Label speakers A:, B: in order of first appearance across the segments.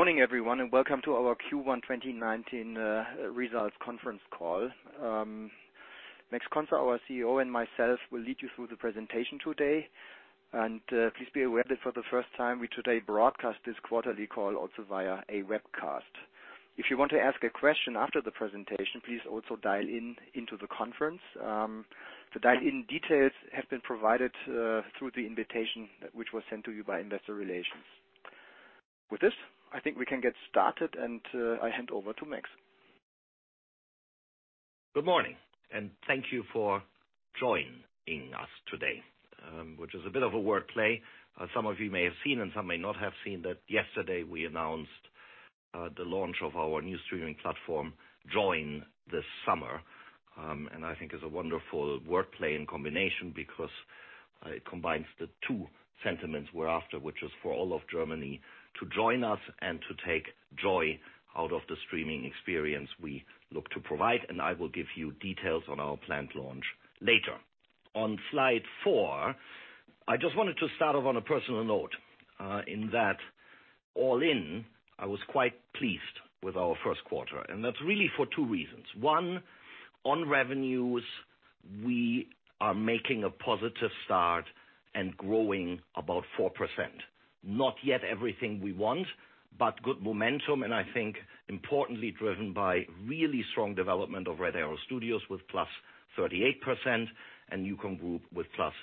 A: Morning, everyone. Welcome to our Q1 2019 results conference call. Max Conze, our CEO, and myself will lead you through the presentation today. Please be aware that for the first time, we today broadcast this quarterly call also via a webcast. If you want to ask a question after the presentation, please also dial in into the conference. The dial-in details have been provided through the invitation, which was sent to you by Investor Relations. With this, I think we can get started. I hand over to Max.
B: Good morning. Thank you for joining us today, which is a bit of a wordplay. Some of you may have seen, and some may not have seen that yesterday, we announced the launch of our new streaming platform, Joyn, this summer. I think it's a wonderful wordplay and combination because it combines the two sentiments we're after, which is for all of Germany to join us and to take joy out of the streaming experience we look to provide. I will give you details on our planned launch later. On slide four, I just wanted to start off on a personal note, in that all in, I was quite pleased with our first quarter. That's really for two reasons. One, on revenues, we are making a positive start and growing about 4%. Not yet everything we want. Good momentum, I think importantly driven by really strong development of Red Arrow Studios with +38% and NuCom Group with +25%.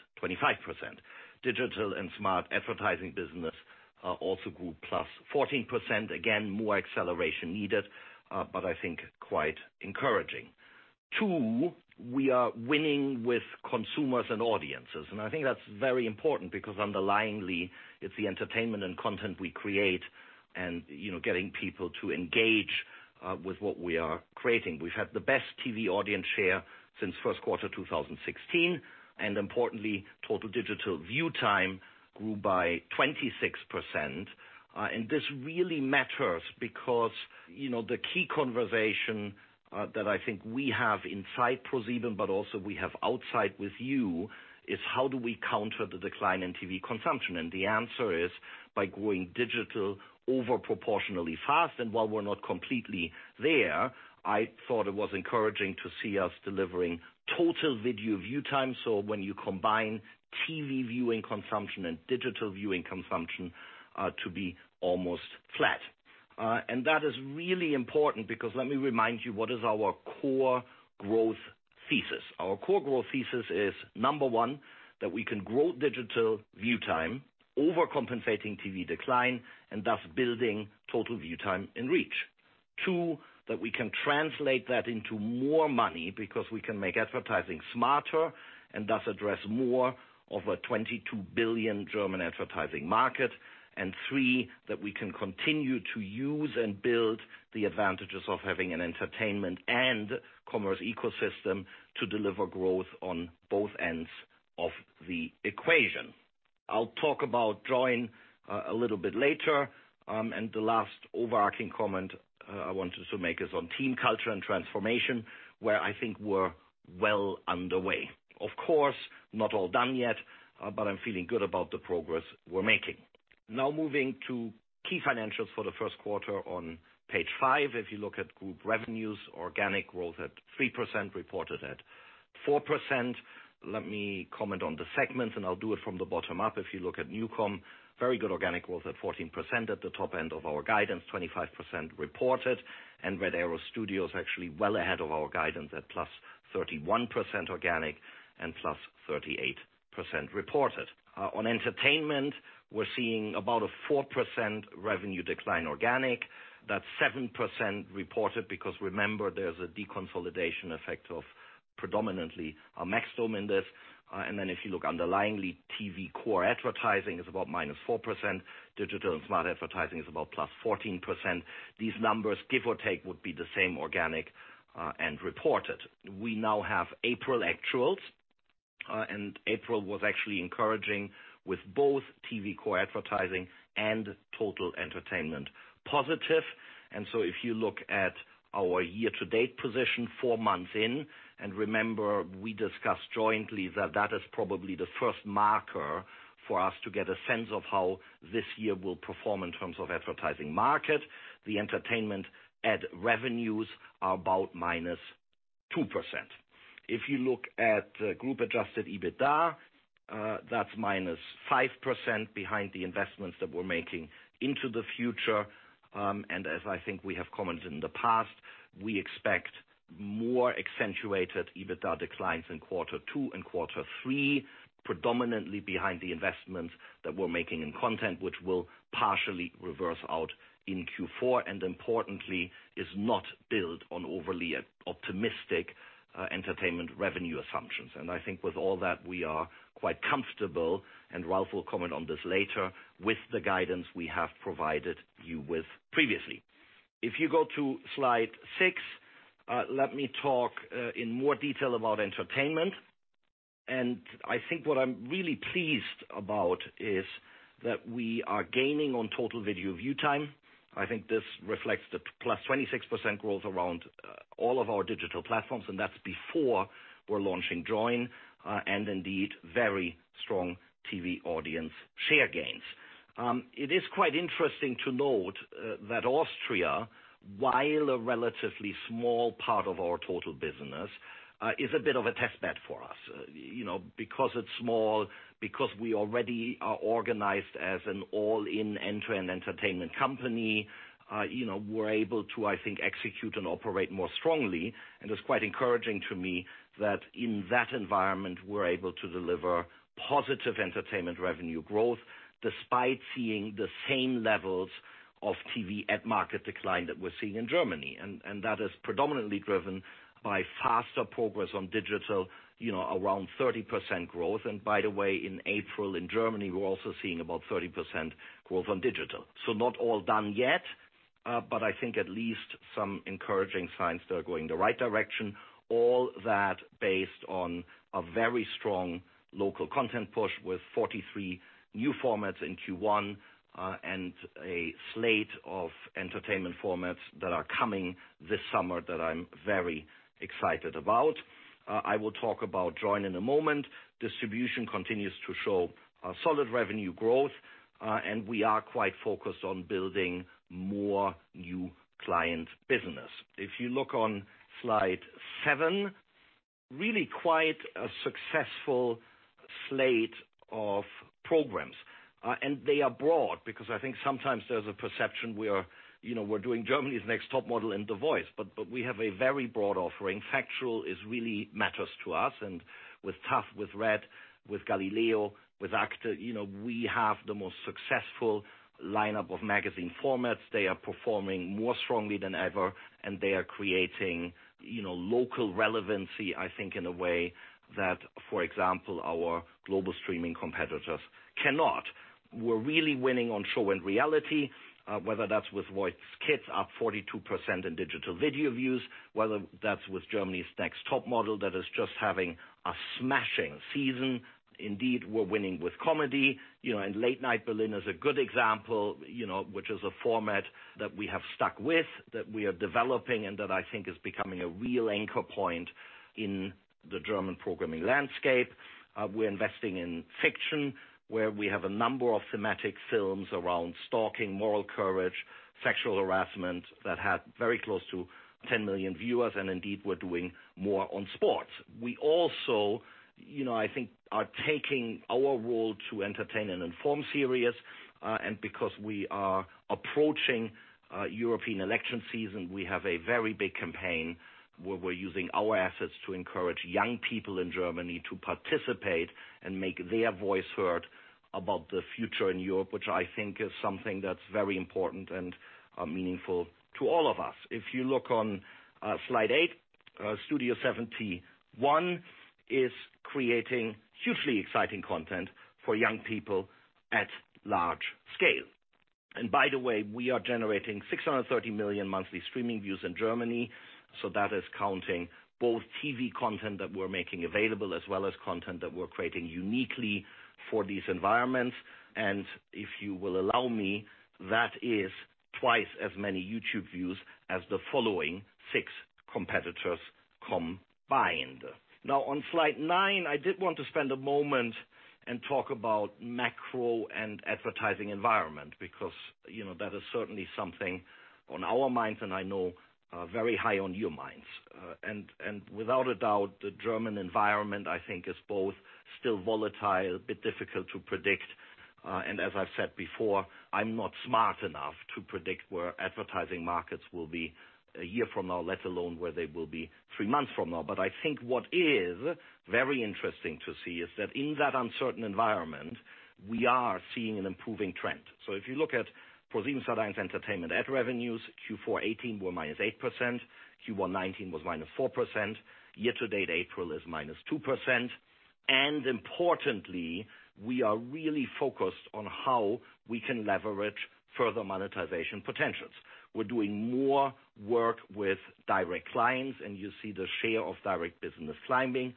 B: Digital and smart advertising business also grew +14%. Again, more acceleration needed, but I think quite encouraging. Two. We are winning with consumers and audiences, I think that's very important because underlyingly, it's the entertainment and content we create and getting people to engage with what we are creating. We've had the best TV audience share since first quarter 2016, importantly, total digital view time grew by 26%. This really matters because the key conversation that I think we have inside ProSieben, also we have outside with you is how do we counter the decline in TV consumption? The answer is by growing digital over proportionally fast. While we're not completely there, I thought it was encouraging to see us delivering total video view time, so when you combine TV viewing consumption and digital viewing consumption, to be almost flat. That is really important because let me remind you, what is our core growth thesis? Our core growth thesis is, number one, that we can grow digital view time overcompensating TV decline, thus building total view time and reach. Two. That we can translate that into more money because we can make advertising smarter and thus address more of a 22 billion German advertising market. Three. That we can continue to use and build the advantages of having an entertainment and commerce ecosystem to deliver growth on both ends of the equation. I'll talk about Joyn a little bit later. The last overarching comment I wanted to make is on team culture and transformation, where I think we're well underway. Of course, not all done yet, but I'm feeling good about the progress we're making. Now moving to key financials for the first quarter on page five. If you look at group revenues, organic growth at 3%, reported at 4%. Let me comment on the segments, I'll do it from the bottom up. If you look at NuCom, very good organic growth at 14% at the top end of our guidance, 25% reported. Red Arrow Studios actually well ahead of our guidance at +31% organic and +38% reported. On entertainment, we're seeing about a 4% revenue decline organic. That's 7% reported because remember, there's a deconsolidation effect of predominantly Maxdome in this. If you look underlyingly, TV core advertising is about -4%. Digital and smart advertising is about +14%. These numbers, give or take, would be the same organic, reported. We now have April actuals, April was actually encouraging with both TV core advertising and total entertainment positive. If you look at our year-to-date position four months in, remember, we discussed jointly that that is probably the first marker for us to get a sense of how this year will perform in terms of advertising market. The entertainment ad revenues are about -2%. If you look at group-adjusted EBITDA, that's -5% behind the investments that we're making into the future. As I think we have commented in the past, we expect more accentuated EBITDA declines in quarter two and quarter three, predominantly behind the investments that we're making in content, which will partially reverse out in Q4, importantly, is not built on overly optimistic, entertainment revenue assumptions. I think with all that, we are quite comfortable, Ralf will comment on this later, with the guidance we have provided you with previously. If you go to slide six, let me talk, in more detail about entertainment. I think what I'm really pleased about is that we are gaining on total video view time. I think this reflects the +26% growth around all of our digital platforms, that's before we're launching Joyn, indeed, very strong TV audience share gains. It is quite interesting to note that Austria, while a relatively small part of our total business, is a bit of a test bed for us. Because it's small, because we already are organized as an all-in end-to-end entertainment company, we're able to, I think, execute and operate more strongly. It's quite encouraging to me that in that environment, we're able to deliver positive entertainment revenue growth despite seeing the same levels of TV ad market decline that we're seeing in Germany. That is predominantly driven by faster progress on digital, around 30% growth. By the way, in April in Germany, we're also seeing about 30% growth on digital. Not all done yet, but I think at least some encouraging signs that are going the right direction, all that based on a very strong local content push with 43 new formats in Q1, and a slate of entertainment formats that are coming this summer that I'm very excited about. I will talk about Joyn in a moment. Distribution continues to show a solid revenue growth, and we are quite focused on building more new client business. If you look on slide seven, really quite a successful slate of programs. They are broad because I think sometimes there's a perception we're doing Germany's Next Topmodel and The Voice, but we have a very broad offering. Factual really matters to us and with taff, with red., with Galileo, with Akte, we have the most successful lineup of magazine formats. They are performing more strongly than ever, and they are creating local relevancy, I think, in a way that, for example, our global streaming competitors cannot. We're really winning on show and reality, whether that's with The Voice Kids, up 42% in digital video views, whether that's with Germany's Next Topmodel, that is just having a smashing season. We're winning with comedy. Late Night Berlin is a good example, which is a format that we have stuck with, that we are developing, and that I think is becoming a real anchor point in the German programming landscape. We're investing in fiction, where we have a number of thematic films around stalking, moral courage, sexual harassment that had very close to 10 million viewers, and indeed, we're doing more on sports. We also, I think, are taking our role to entertain and inform serious. Because we are approaching European election season, we have a very big campaign where we're using our assets to encourage young people in Germany to participate and make their voice heard about the future in Europe, which I think is something that's very important and meaningful to all of us. If you look on slide eight, Studio71 is creating hugely exciting content for young people at large scale. By the way, we are generating 630 million monthly streaming views in Germany. That is counting both TV content that we're making available as well as content that we're creating uniquely for these environments. If you will allow me, that is twice as many YouTube views as the following six competitors combined. On slide nine, I did want to spend a moment and talk about macro and advertising environment because that is certainly something on our minds, and I know very high on your minds. Without a doubt, the German environment, I think, is both still volatile, a bit difficult to predict. As I've said before, I'm not smart enough to predict where advertising markets will be a year from now, let alone where they will be three months from now. But I think what is very interesting to see is that in that uncertain environment, we are seeing an improving trend. If you look at ProSiebenSat.1 Entertainment ad revenues, Q4 2018 were -8%, Q1 2019 was -4%, year to date, April is -2%. Importantly, we are really focused on how we can leverage further monetization potentials. We're doing more work with direct clients, and you see the share of direct business climbing.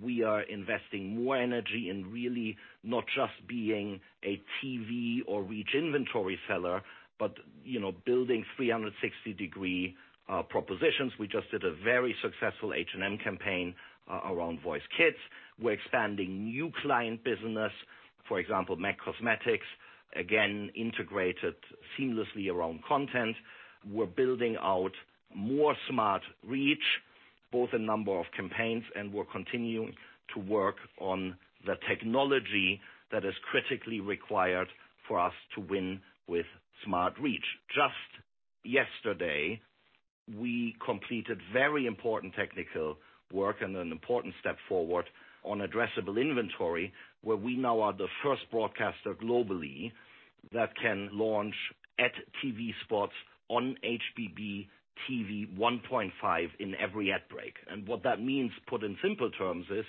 B: We are investing more energy in really not just being a TV or reach inventory seller, but building 360 degree propositions. We just did a very successful H&M campaign around The Voice Kids. We're expanding new client business, for example, MAC Cosmetics, again, integrated seamlessly around content. We're building out more smart reach, both in number of campaigns, and we're continuing to work on the technology that is critically required for us to win with smart reach. Just yesterday, we completed very important technical work and an important step forward on addressable inventory, where we now are the first broadcaster globally that can launch at TV spots on HbbTV 1.5 in every ad break. What that means, put in simple terms, is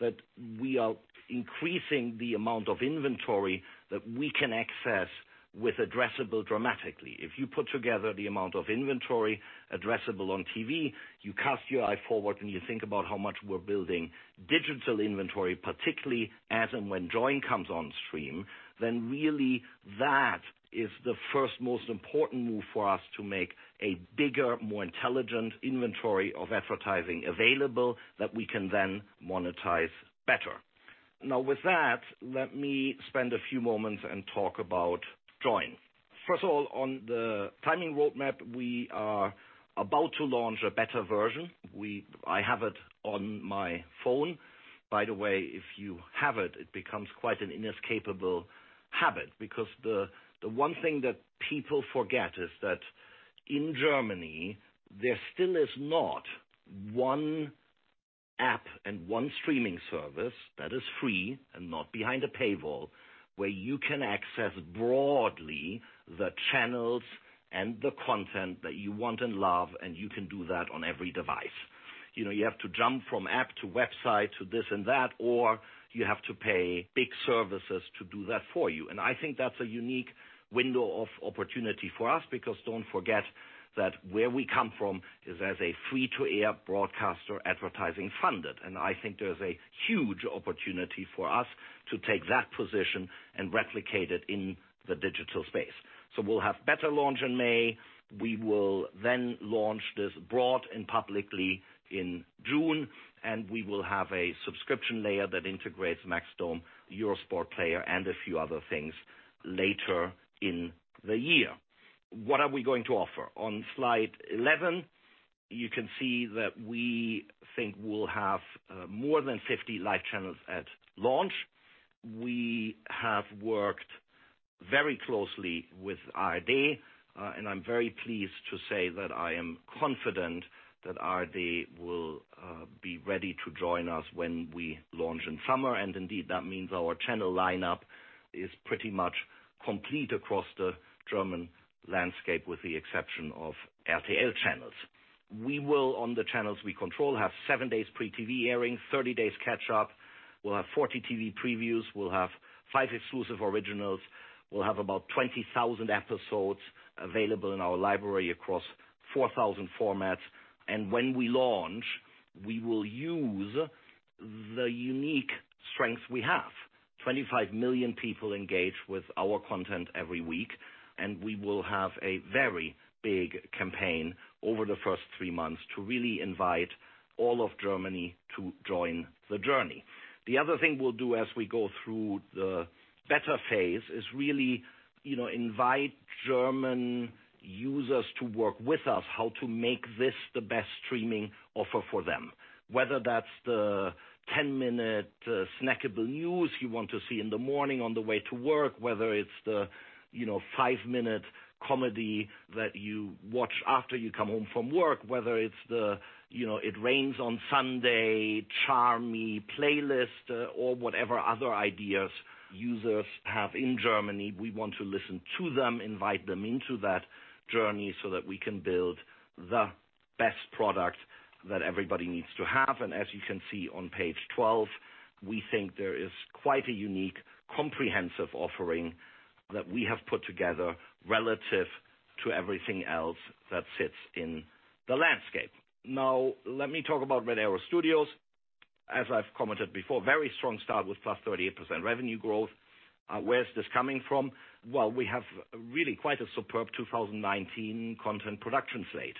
B: that we are increasing the amount of inventory that we can access with addressable dramatically. If you put together the amount of inventory addressable on TV, you cast your eye forward, and you think about how much we're building digital inventory, particularly as and when Joyn comes on stream, then really that is the first most important move for us to make a bigger, more intelligent inventory of advertising available that we can then monetize better. With that, let me spend a few moments and talk about Joyn. First of all, on the timing roadmap, we are about to launch a better version. I have it on my phone. By the way, if you have it becomes quite an inescapable habit because the one thing that people forget is that in Germany, there still is not one app and one streaming service that is free and not behind a paywall, where you can access broadly the channels and the content that you want and love, and you can do that on every device. You have to jump from app to website to this and that, or you have to pay big services to do that for you. I think that's a unique window of opportunity for us, because don't forget that where we come from is as a free-to-air broadcaster, advertising funded. I think there's a huge opportunity for us to take that position and replicate it in the digital space. We'll have beta launch in May. We will then launch this broad and publicly in June, and we will have a subscription layer that integrates Maxdome, Eurosport Player, and a few other things later in the year. What are we going to offer? On slide 11, you can see that we think we'll have more than 50 live channels at launch. We have worked very closely with ARD, and I'm very pleased to say that I am confident that ARD will be ready to join us when we launch in summer. Indeed, that means our channel lineup is pretty much complete across the German landscape, with the exception of RTL channels. We will, on the channels we control, have seven days pre-TV airing, 30 days catch up. We'll have 40 TV previews. We'll have five exclusive originals. We'll have about 20,000 episodes available in our library across 4,000 formats. When we launch, we will use the unique strengths we have. 25 million people engage with our content every week. We will have a very big campaign over the first three months to really invite all of Germany to join the journey. Other thing we'll do as we go through the better phase is really invite German users to work with us, how to make this the best streaming offer for them, whether that's the 10-minute snackable news you want to see in the morning on the way to work, whether it's the 5-minute comedy that you watch after you come home from work, whether it's the It Rains on Sunday charmy playlist or whatever other ideas users have in Germany. We want to listen to them, invite them into that journey so that we can build the best product that everybody needs to have. As you can see on page 12, we think there is quite a unique, comprehensive offering that we have put together relative to everything else that sits in the landscape. Now, let me talk about Red Arrow Studios. As I've commented before, very strong start with +38% revenue growth. Where is this coming from? We have really quite a superb 2019 content production slate.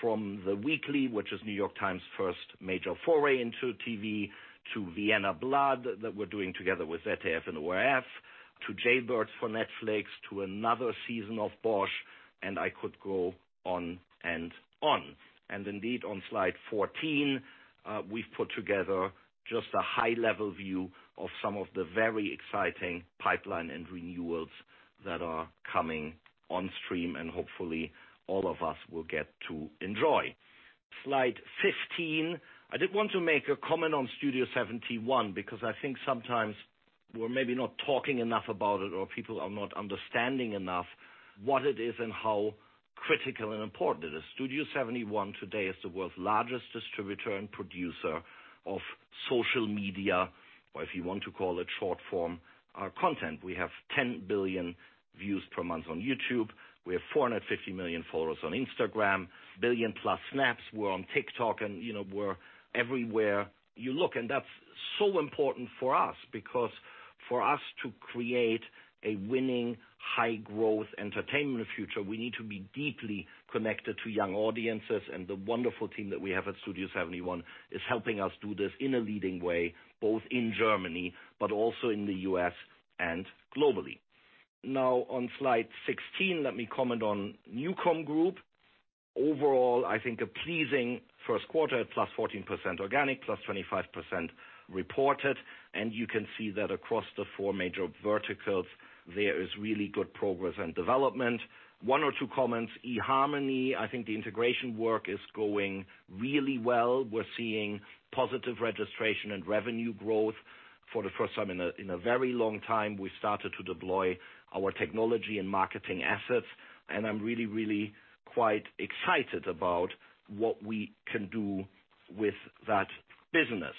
B: From "The Weekly," which is The New York Times' first major foray into TV, to "Vienna Blood" that we're doing together with ZDF and ORF, to "Jailbirds" for Netflix, to another season of "Bosch," I could go on and on. Indeed, on slide 14, we've put together just a high-level view of some of the very exciting pipeline and renewals that are coming on stream. Hopefully, all of us will get to enjoy. Slide 15. I did want to make a comment on Studio71 because I think sometimes we're maybe not talking enough about it, or people are not understanding enough what it is and how critical and important it is. Studio71 today is the world's largest distributor and producer of social media, or if you want to call it short-form content. We have 10 billion views per month on YouTube. We have 450 million followers on Instagram, billion+ snaps. We're on TikTok, we're everywhere you look. That's so important for us, because for us to create a winning high-growth entertainment future, we need to be deeply connected to young audiences. The wonderful team that we have at Studio71 is helping us do this in a leading way, both in Germany but also in the U.S. and globally. Now on slide 16, let me comment on NuCom Group. Overall, I think a pleasing first quarter, at +14% organic, +25% reported. You can see that across the four major verticals, there is really good progress and development. One or two comments. eHarmony, I think the integration work is going really well. We're seeing positive registration and revenue growth. For the first time in a very long time, we started to deploy our technology and marketing assets, I'm really quite excited about what we can do with that business.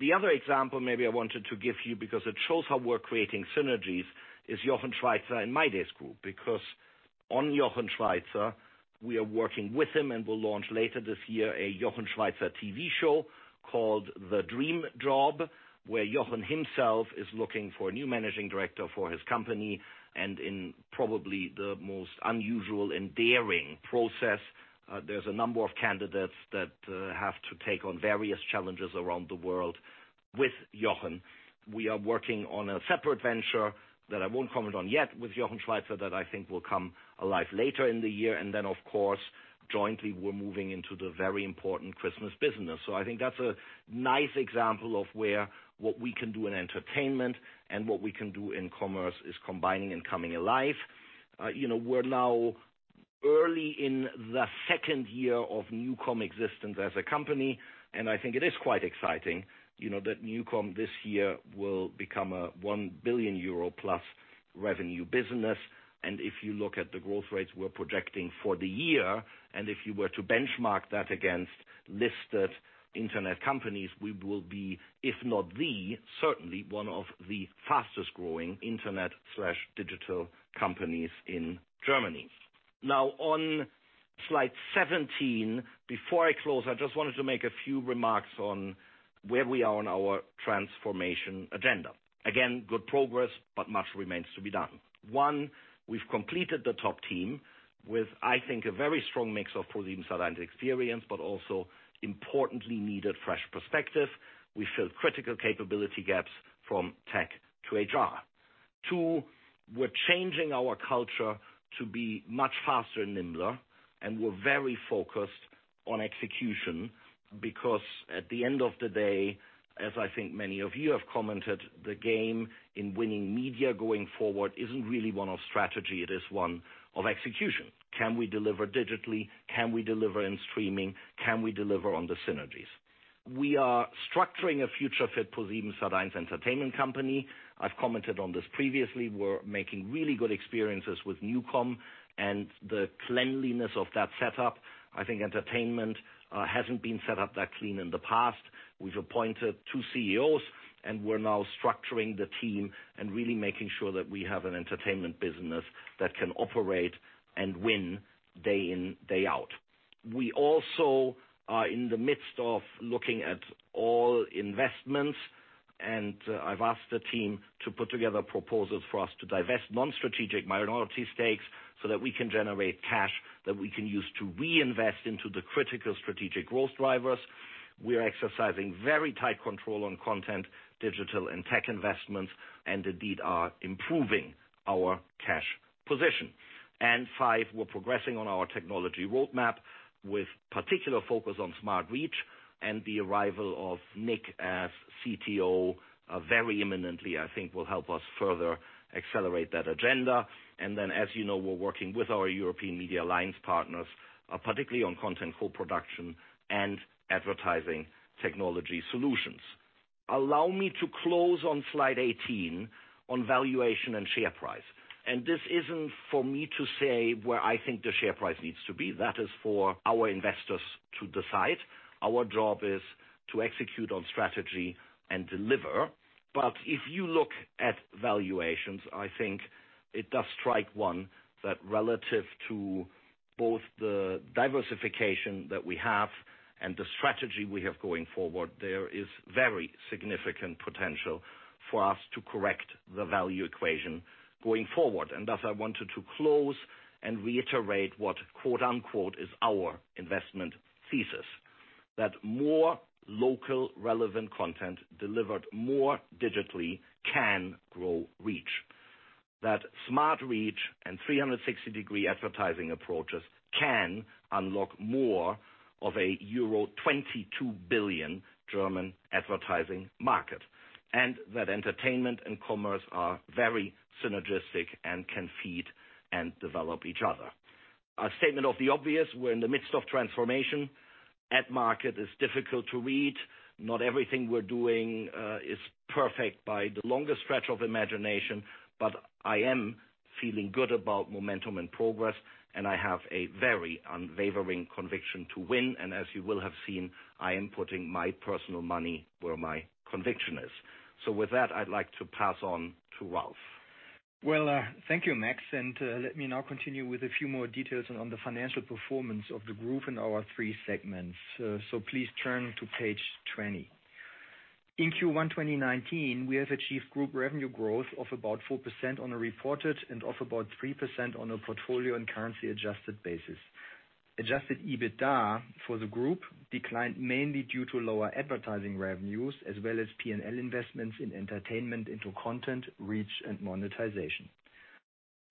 B: The other example maybe I wanted to give you, because it shows how we're creating synergies, is Jochen Schweizer and mydays Group. On Jochen Schweizer, we are working with him and will launch later this year a Jochen Schweizer TV show called "Der Traumjob - bei Jochen Schweizer," where Jochen himself is looking for a new managing director for his company, and in probably the most unusual and daring process. There's a number of candidates that have to take on various challenges around the world with Jochen. We are working on a separate venture that I won't comment on yet with Jochen Schweizer, that I think will come alive later in the year. Then, of course, jointly, we're moving into the very important Christmas business. I think that's a nice example of where what we can do in entertainment and what we can do in commerce is combining and coming alive. We're now early in the second year of NuCom existence as a company, I think it is quite exciting that NuCom this year will become a 1 billion euro plus revenue business. If you look at the growth rates we're projecting for the year, and if you were to benchmark that against listed internet companies, we will be, if not the, certainly one of the fastest-growing internet/digital companies in Germany. On slide 17, before I close, I just wanted to make a few remarks on where we are on our transformation agenda. Again, good progress, but much remains to be done. One, we've completed the top team with, I think, a very strong mix of ProSiebenSat.1 experience, but also importantly needed fresh perspective. We filled critical capability gaps from tech to HR. Two, we're changing our culture to be much faster and nimbler. We're very focused on execution because at the end of the day, as I think many of you have commented, the game in winning media going forward isn't really one of strategy, it is one of execution. Can we deliver digitally? Can we deliver in streaming? Can we deliver on the synergies? We are structuring a future-fit ProSiebenSat.1 Entertainment company. I've commented on this previously. We're making really good experiences with NuCom and the cleanliness of that setup. I think Entertainment hasn't been set up that clean in the past. We've appointed two CEOs, we're now structuring the team and really making sure that we have an entertainment business that can operate and win day in, day out. We also are in the midst of looking at all investments, I've asked the team to put together proposals for us to divest non-strategic minority stakes so that we can generate cash that we can use to reinvest into the critical strategic growth drivers. We are exercising very tight control on content, digital, and tech investments and indeed are improving our cash position. Five, we're progressing on our technology roadmap with particular focus on smart reach and the arrival of Nick as CTO, very imminently, I think will help us further accelerate that agenda. Then, as you know, we're working with our European Media Alliance partners, particularly on content co-production and advertising technology solutions. Allow me to close on slide 18 on valuation and share price. This isn't for me to say where I think the share price needs to be. That is for our investors to decide. Our job is to execute on strategy and deliver. If you look at valuations, I think it does strike one that relative to both the diversification that we have and the strategy we have going forward, there is very significant potential for us to correct the value equation going forward. Thus, I wanted to close and reiterate what "is our investment thesis." That more local relevant content delivered more digitally can grow reach. That smart reach and 360-degree advertising approaches can unlock more of a euro 22 billion German advertising market, and that entertainment and commerce are very synergistic and can feed and develop each other. A statement of the obvious, we're in the midst of transformation. Ad market is difficult to read. Not everything we're doing is perfect by the longest stretch of imagination, but I am feeling good about momentum and progress, and I have a very unwavering conviction to win. As you will have seen, I am putting my personal money where my conviction is. With that, I'd like to pass on to Ralf.
A: Well, thank you, Max. Let me now continue with a few more details on the financial performance of the group in our three segments. Please turn to page 20. In Q1 2019, we have achieved group revenue growth of about 4% on a reported and of about 3% on a portfolio and currency-adjusted basis. Adjusted EBITDA for the group declined mainly due to lower advertising revenues as well as P&L investments in entertainment into content, reach, and monetization.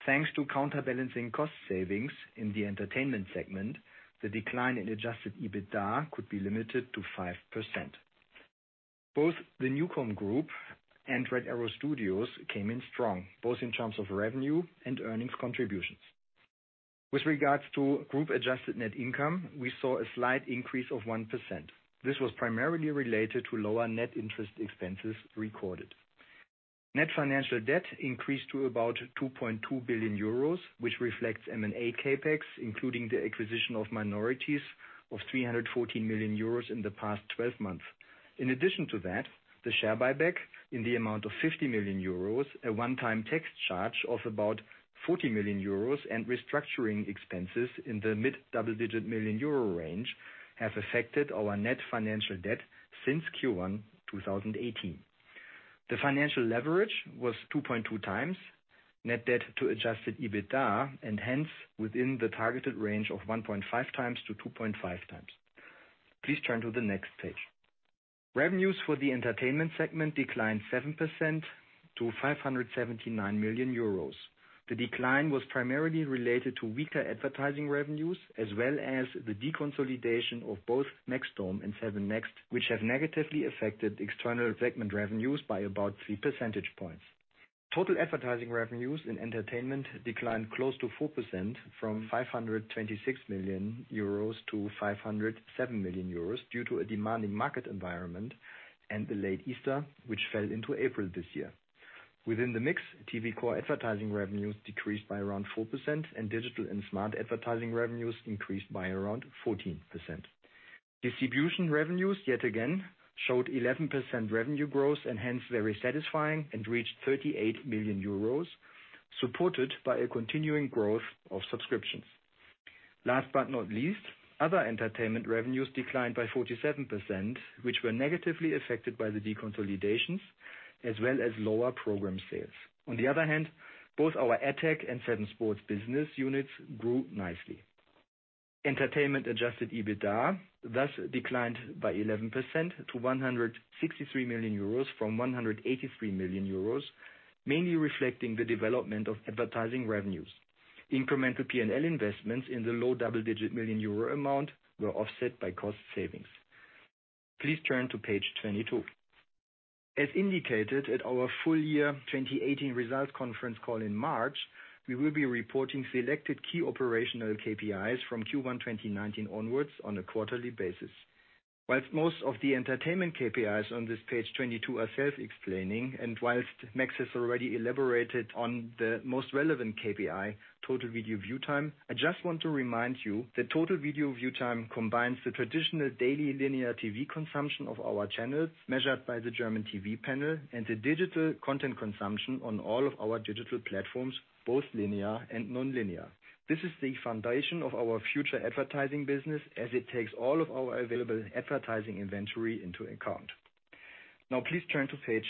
A: Thanks to counterbalancing cost savings in the entertainment segment, the decline in adjusted EBITDA could be limited to 5%. Both the NuCom Group and Red Arrow Studios came in strong, both in terms of revenue and earnings contributions. With regards to group adjusted net income, we saw a slight increase of 1%. This was primarily related to lower net interest expenses recorded. Net financial debt increased to about 2.2 billion euros, which reflects M&A CapEx, including the acquisition of minorities of 314 million euros in the past 12 months. In addition to that, the share buyback in the amount of 50 million euros, a one-time tax charge of about 40 million euros, and restructuring expenses in the mid-double-digit million EUR range, have affected our net financial debt since Q1 2018. The financial leverage was 2.2 times net debt to adjusted EBITDA, hence, within the targeted range of 1.5 times to 2.5 times. Please turn to the next page. Revenues for the entertainment segment declined 7% to 579 million euros. The decline was primarily related to weaker advertising revenues, as well as the deconsolidation of both Maxdome and 7NXT, which have negatively affected external segment revenues by about three percentage points. Total advertising revenues in entertainment declined close to 4%, from 526 million euros to 507 million euros, due to a demanding market environment and a late Easter, which fell into April this year. Within the mix, TV core advertising revenues decreased by around 4%, and digital and smart advertising revenues increased by around 14%. Distribution revenues, yet again, showed 11% revenue growth, and hence, very satisfying, and reached 38 million euros, supported by a continuing growth of subscriptions. Last but not least, other entertainment revenues declined by 47%, which were negatively affected by the deconsolidations, as well as lower program sales. On the other hand, both our AdTech and 7Sports business units grew nicely. Entertainment adjusted EBITDA thus declined by 11% to 163 million euros from 183 million euros, mainly reflecting the development of advertising revenues. Incremental P&L investments in the low double-digit million euro amount were offset by cost savings. Please turn to page 22. As indicated at our full year 2018 results conference call in March, we will be reporting selected key operational KPIs from Q1 2019 onwards on a quarterly basis. Whilst most of the entertainment KPIs on this page 22 are self-explaining, and whilst Max has already elaborated on the most relevant KPI, total video view time, I just want to remind you that total video view time combines the traditional daily linear TV consumption of our channels, measured by the German TV panel, and the digital content consumption on all of our digital platforms, both linear and non-linear. This is the foundation of our future advertising business as it takes all of our available advertising inventory into account. Now please turn to page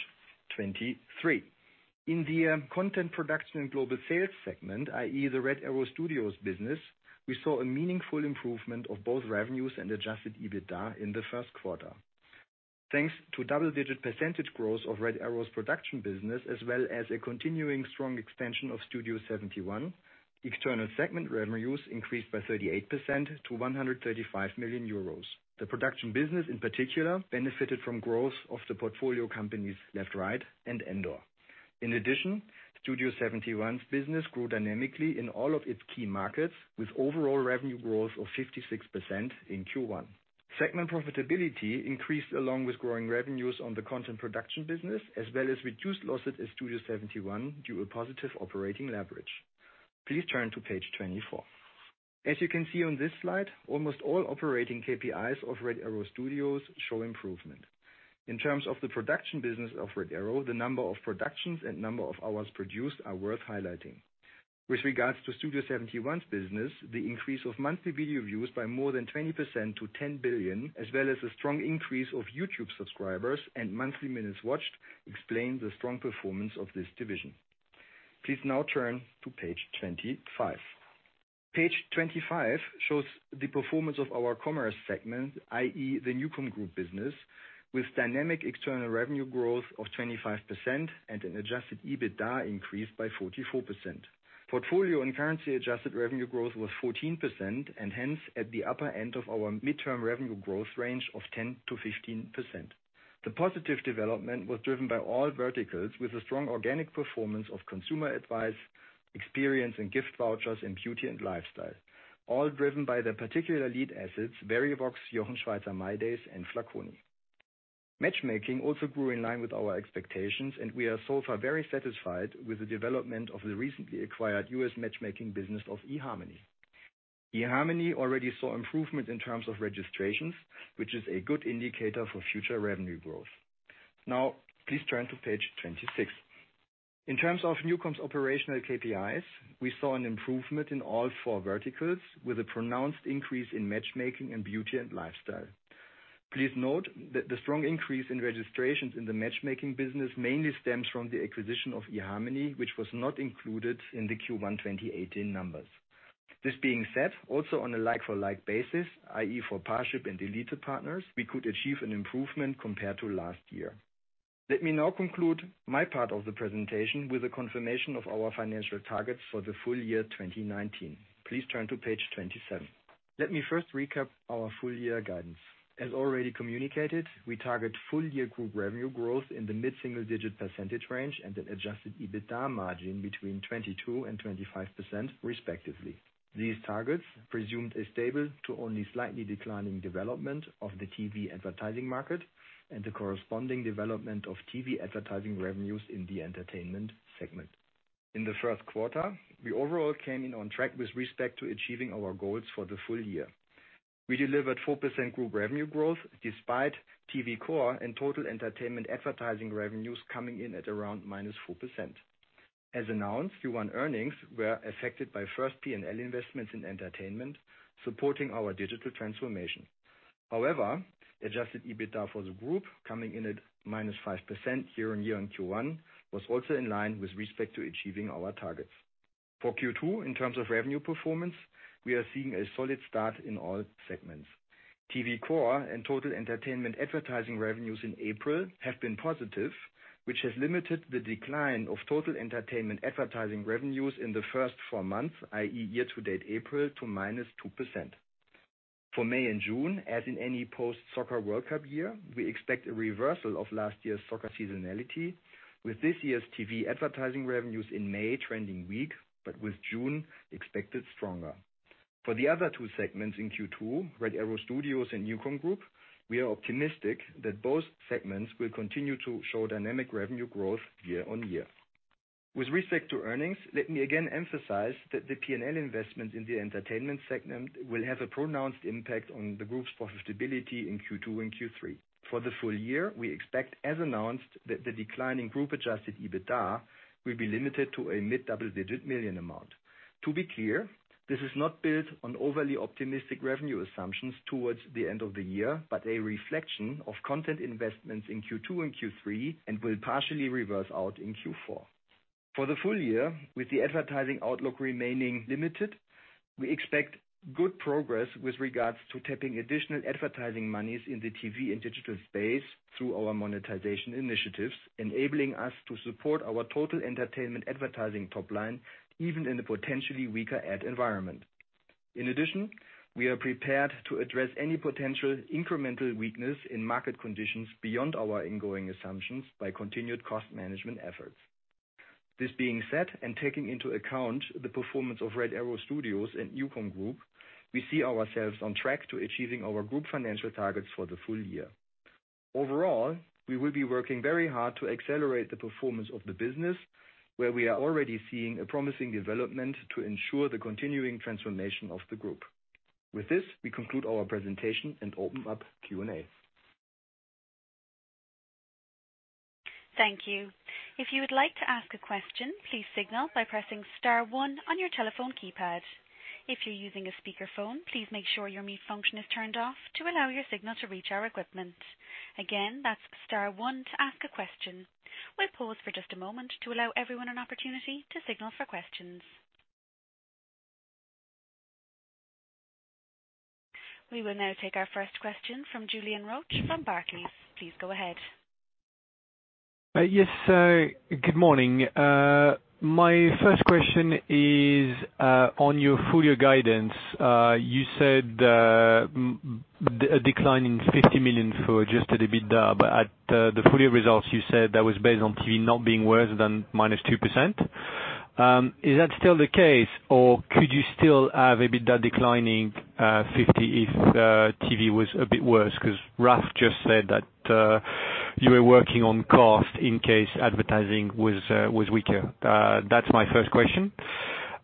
A: 23. In the content production and global sales segment, i.e. the Red Arrow Studios business, we saw a meaningful improvement of both revenues and adjusted EBITDA in the first quarter. Thanks to double-digit percentage growth of Red Arrow's production business, as well as a continuing strong expansion of Studio71, external segment revenues increased by 38% to 135 million euros. The production business, in particular, benefited from growth of the portfolio companies Left/Right and Endor Productions. In addition, Studio71's business grew dynamically in all of its key markets, with overall revenue growth of 56% in Q1. Segment profitability increased along with growing revenues on the content production business, as well as reduced losses at Studio71 due to positive operating leverage. Please turn to page 24. As you can see on this slide, almost all operating KPIs of Red Arrow Studios show improvement. In terms of the production business of Red Arrow, the number of productions and number of hours produced are worth highlighting. With regards to Studio71's business, the increase of monthly video views by more than 20% to 10 billion, as well as a strong increase of YouTube subscribers and monthly minutes watched, explain the strong performance of this division. Please now turn to page 25. Page 25 shows the performance of our commerce segment, i.e. the NuCom Group business, with dynamic external revenue growth of 25% and an adjusted EBITDA increase by 44%. Portfolio and currency-adjusted revenue growth was 14%, and hence, at the upper end of our midterm revenue growth range of 10%-15%. The positive development was driven by all verticals with a strong organic performance of consumer advice, experience in gift vouchers, and beauty and lifestyle, all driven by their particular lead assets, Verivox, Jochen Schweizer mydays, and Flaconi. Matchmaking also grew in line with our expectations. We are so far very satisfied with the development of the recently acquired U.S. matchmaking business of eHarmony. eHarmony already saw improvement in terms of registrations, which is a good indicator for future revenue growth. Now, please turn to page 26. In terms of NuCom's operational KPIs, we saw an improvement in all four verticals, with a pronounced increase in matchmaking and beauty and lifestyle. Please note that the strong increase in registrations in the matchmaking business mainly stems from the acquisition of eHarmony, which was not included in the Q1 2018 numbers. This being said, also on a like-for-like basis, i.e., for Parship and ElitePartner, we could achieve an improvement compared to last year. Let me now conclude my part of the presentation with a confirmation of our financial targets for the full year 2019. Please turn to page 27. Let me first recap our full-year guidance. As already communicated, we target full-year group revenue growth in the mid-single-digit % range and an adjusted EBITDA margin between 22%-25% respectively. These targets presumed a stable to only slightly declining development of the TV advertising market and the corresponding development of TV advertising revenues in the entertainment segment. In the first quarter, we overall came in on track with respect to achieving our goals for the full year. We delivered 4% group revenue growth despite TV core and total entertainment advertising revenues coming in at around minus 4%. As announced, Q1 earnings were affected by first P&L investments in entertainment, supporting our digital transformation. However, adjusted EBITDA for the group, coming in at minus 5% year-on-year in Q1, was also in line with respect to achieving our targets. For Q2, in terms of revenue performance, we are seeing a solid start in all segments. TV core and total entertainment advertising revenues in April have been positive, which has limited the decline of total entertainment advertising revenues in the first four months, i.e., year to date April, to minus 2%. For May and June, as in any post-soccer World Cup year, we expect a reversal of last year's soccer seasonality with this year's TV advertising revenues in May trending weak, but with June expected stronger. For the other two segments in Q2, Red Arrow Studios and NuCom Group, we are optimistic that both segments will continue to show dynamic revenue growth year-on-year. With respect to earnings, let me again emphasize that the P&L investment in the entertainment segment will have a pronounced impact on the group's profitability in Q2 and Q3. For the full-year, we expect, as announced, that the decline in group-adjusted EBITDA will be limited to a mid-double-digit million EUR amount. To be clear, this is not built on overly optimistic revenue assumptions towards the end of the year, but a reflection of content investments in Q2 and Q3 and will partially reverse out in Q4. For the full-year, with the advertising outlook remaining limited, we expect good progress with regards to tapping additional advertising monies in the TV and digital space through our monetization initiatives, enabling us to support our total entertainment advertising top line, even in the potentially weaker ad environment. In addition, we are prepared to address any potential incremental weakness in market conditions beyond our ingoing assumptions by continued cost management efforts. This being said, taking into account the performance of Red Arrow Studios and NuCom Group, we see ourselves on track to achieving our group financial targets for the full year. Overall, we will be working very hard to accelerate the performance of the business, where we are already seeing a promising development to ensure the continuing transformation of the group. With this, we conclude our presentation and open up Q&A.
C: Thank you. If you would like to ask a question, please signal by pressing star one on your telephone keypad. If you're using a speakerphone, please make sure your mute function is turned off to allow your signal to reach our equipment. Again, that's star one to ask a question. We'll pause for just a moment to allow everyone an opportunity to signal for questions. We will now take our first question from Julien Roch from Barclays. Please go ahead.
D: Yes, good morning. My first question is on your full-year guidance. You said a decline in 50 million for adjusted EBITDA, but at the full-year results, you said that was based on TV not being worse than -2%. Is that still the case, or could you still have EBITDA declining 50 if TV was a bit worse? Ralf just said that you were working on cost in case advertising was weaker. That's my first question.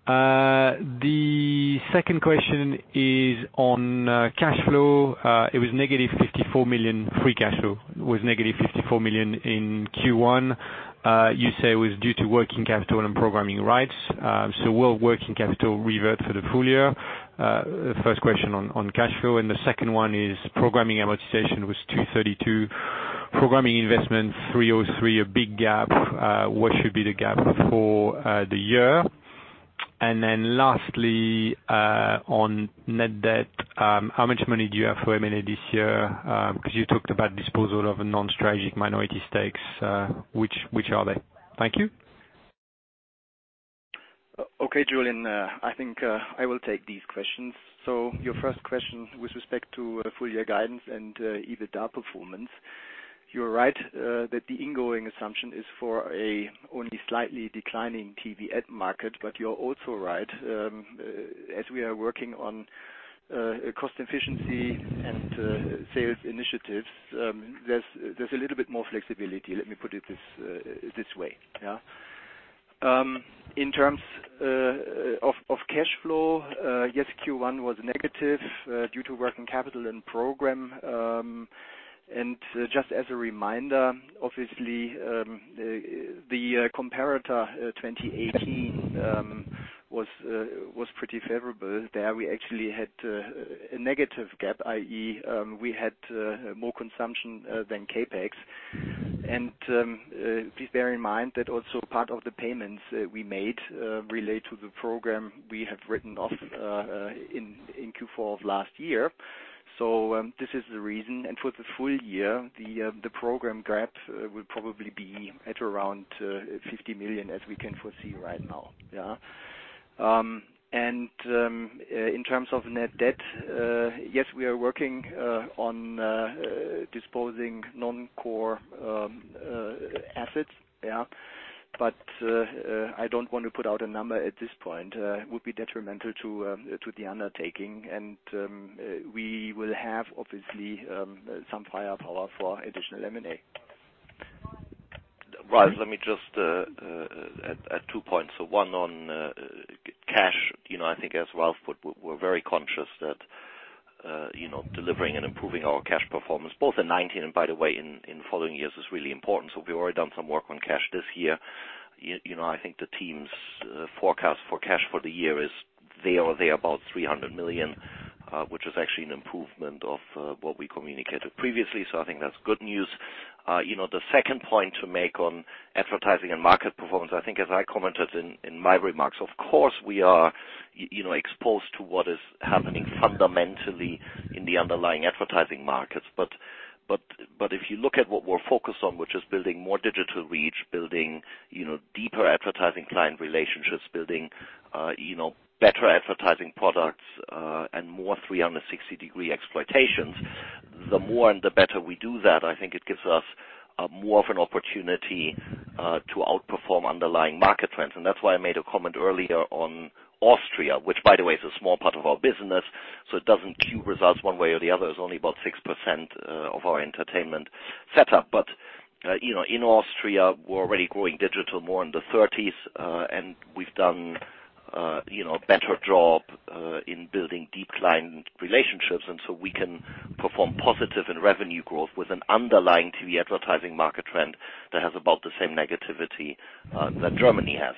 D: The second question is on cash flow. It was negative 54 million, free cash flow was negative 54 million in Q1. You say it was due to working capital and programming rights. Will working capital revert for the full year? First question on cash flow, the second one is programming amortization was 232, programming investment 303, a big gap. What should be the gap for the year? Lastly, on net debt, how much money do you have for M&A this year? You talked about disposal of non-strategic minority stakes. Which are they? Thank you.
A: Okay, Julien, I think I will take these questions. Your first question with respect to full-year guidance and EBITDA performance. You're right that the ingoing assumption is for an only slightly declining TV ad market. You're also right, as we are working on cost efficiency and sales initiatives, there's a little bit more flexibility. Let me put it this way. In terms of cash flow, yes, Q1 was negative due to working capital and program. Just as a reminder, obviously, the comparator 2018 was pretty favorable. There we actually had a negative gap, i.e., we had more consumption than CapEx. Please bear in mind that also part of the payments we made relate to the program we have written off in Q4 of last year. This is the reason. For the full year, the program gap will probably be at around 50 million, as we can foresee right now. In terms of net debt, yes, we are working on disposing non-core assets. I don't want to put out a number at this point. It would be detrimental to the undertaking, and we will have, obviously, some firepower for additional M&A.
B: Right. Let me just add two points. One on cash. I think as Ralf put, we're very conscious that delivering and improving our cash performance, both in 2019 and by the way, in following years, is really important. We've already done some work on cash this year. I think the team's forecast for cash for the year is there or there about 300 million, which is actually an improvement of what we communicated previously. I think that's good news. The second point to make on advertising and market performance, I think as I commented in my remarks, of course, we are exposed to what is happening fundamentally in the underlying advertising markets. If you look at what we're focused on, which is building more digital reach, building deeper advertising client relationships, building better advertising products, and more 360-degree exploitations, the more and the better we do that, I think it gives us more of an opportunity to outperform underlying market trends. That's why I made a comment earlier on Austria, which by the way, is a small part of our business, so it doesn't skew results one way or the other. It's only about 6% of our entertainment setup. In Austria, we're already growing digital more in the 30s, and we've done a better job in building deep client relationships. We can perform positive in revenue growth with an underlying TV advertising market trend that has about the same negativity that Germany has.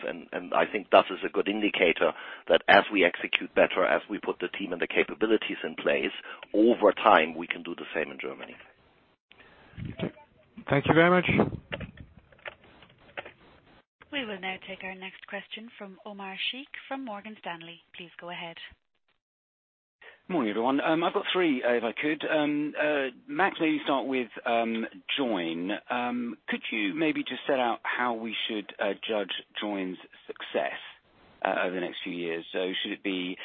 B: I think that is a good indicator that as we execute better, as we put the team and the capabilities in place, over time, we can do the same in Germany.
E: Thank you very much.
C: We will now take our next question from Omar Sheikh from Morgan Stanley. Please go ahead.
E: Morning, everyone. I've got three, if I could. Max, maybe start with Joyn. Could you maybe just set out how we should judge Joyn's success over the next few years? Should it be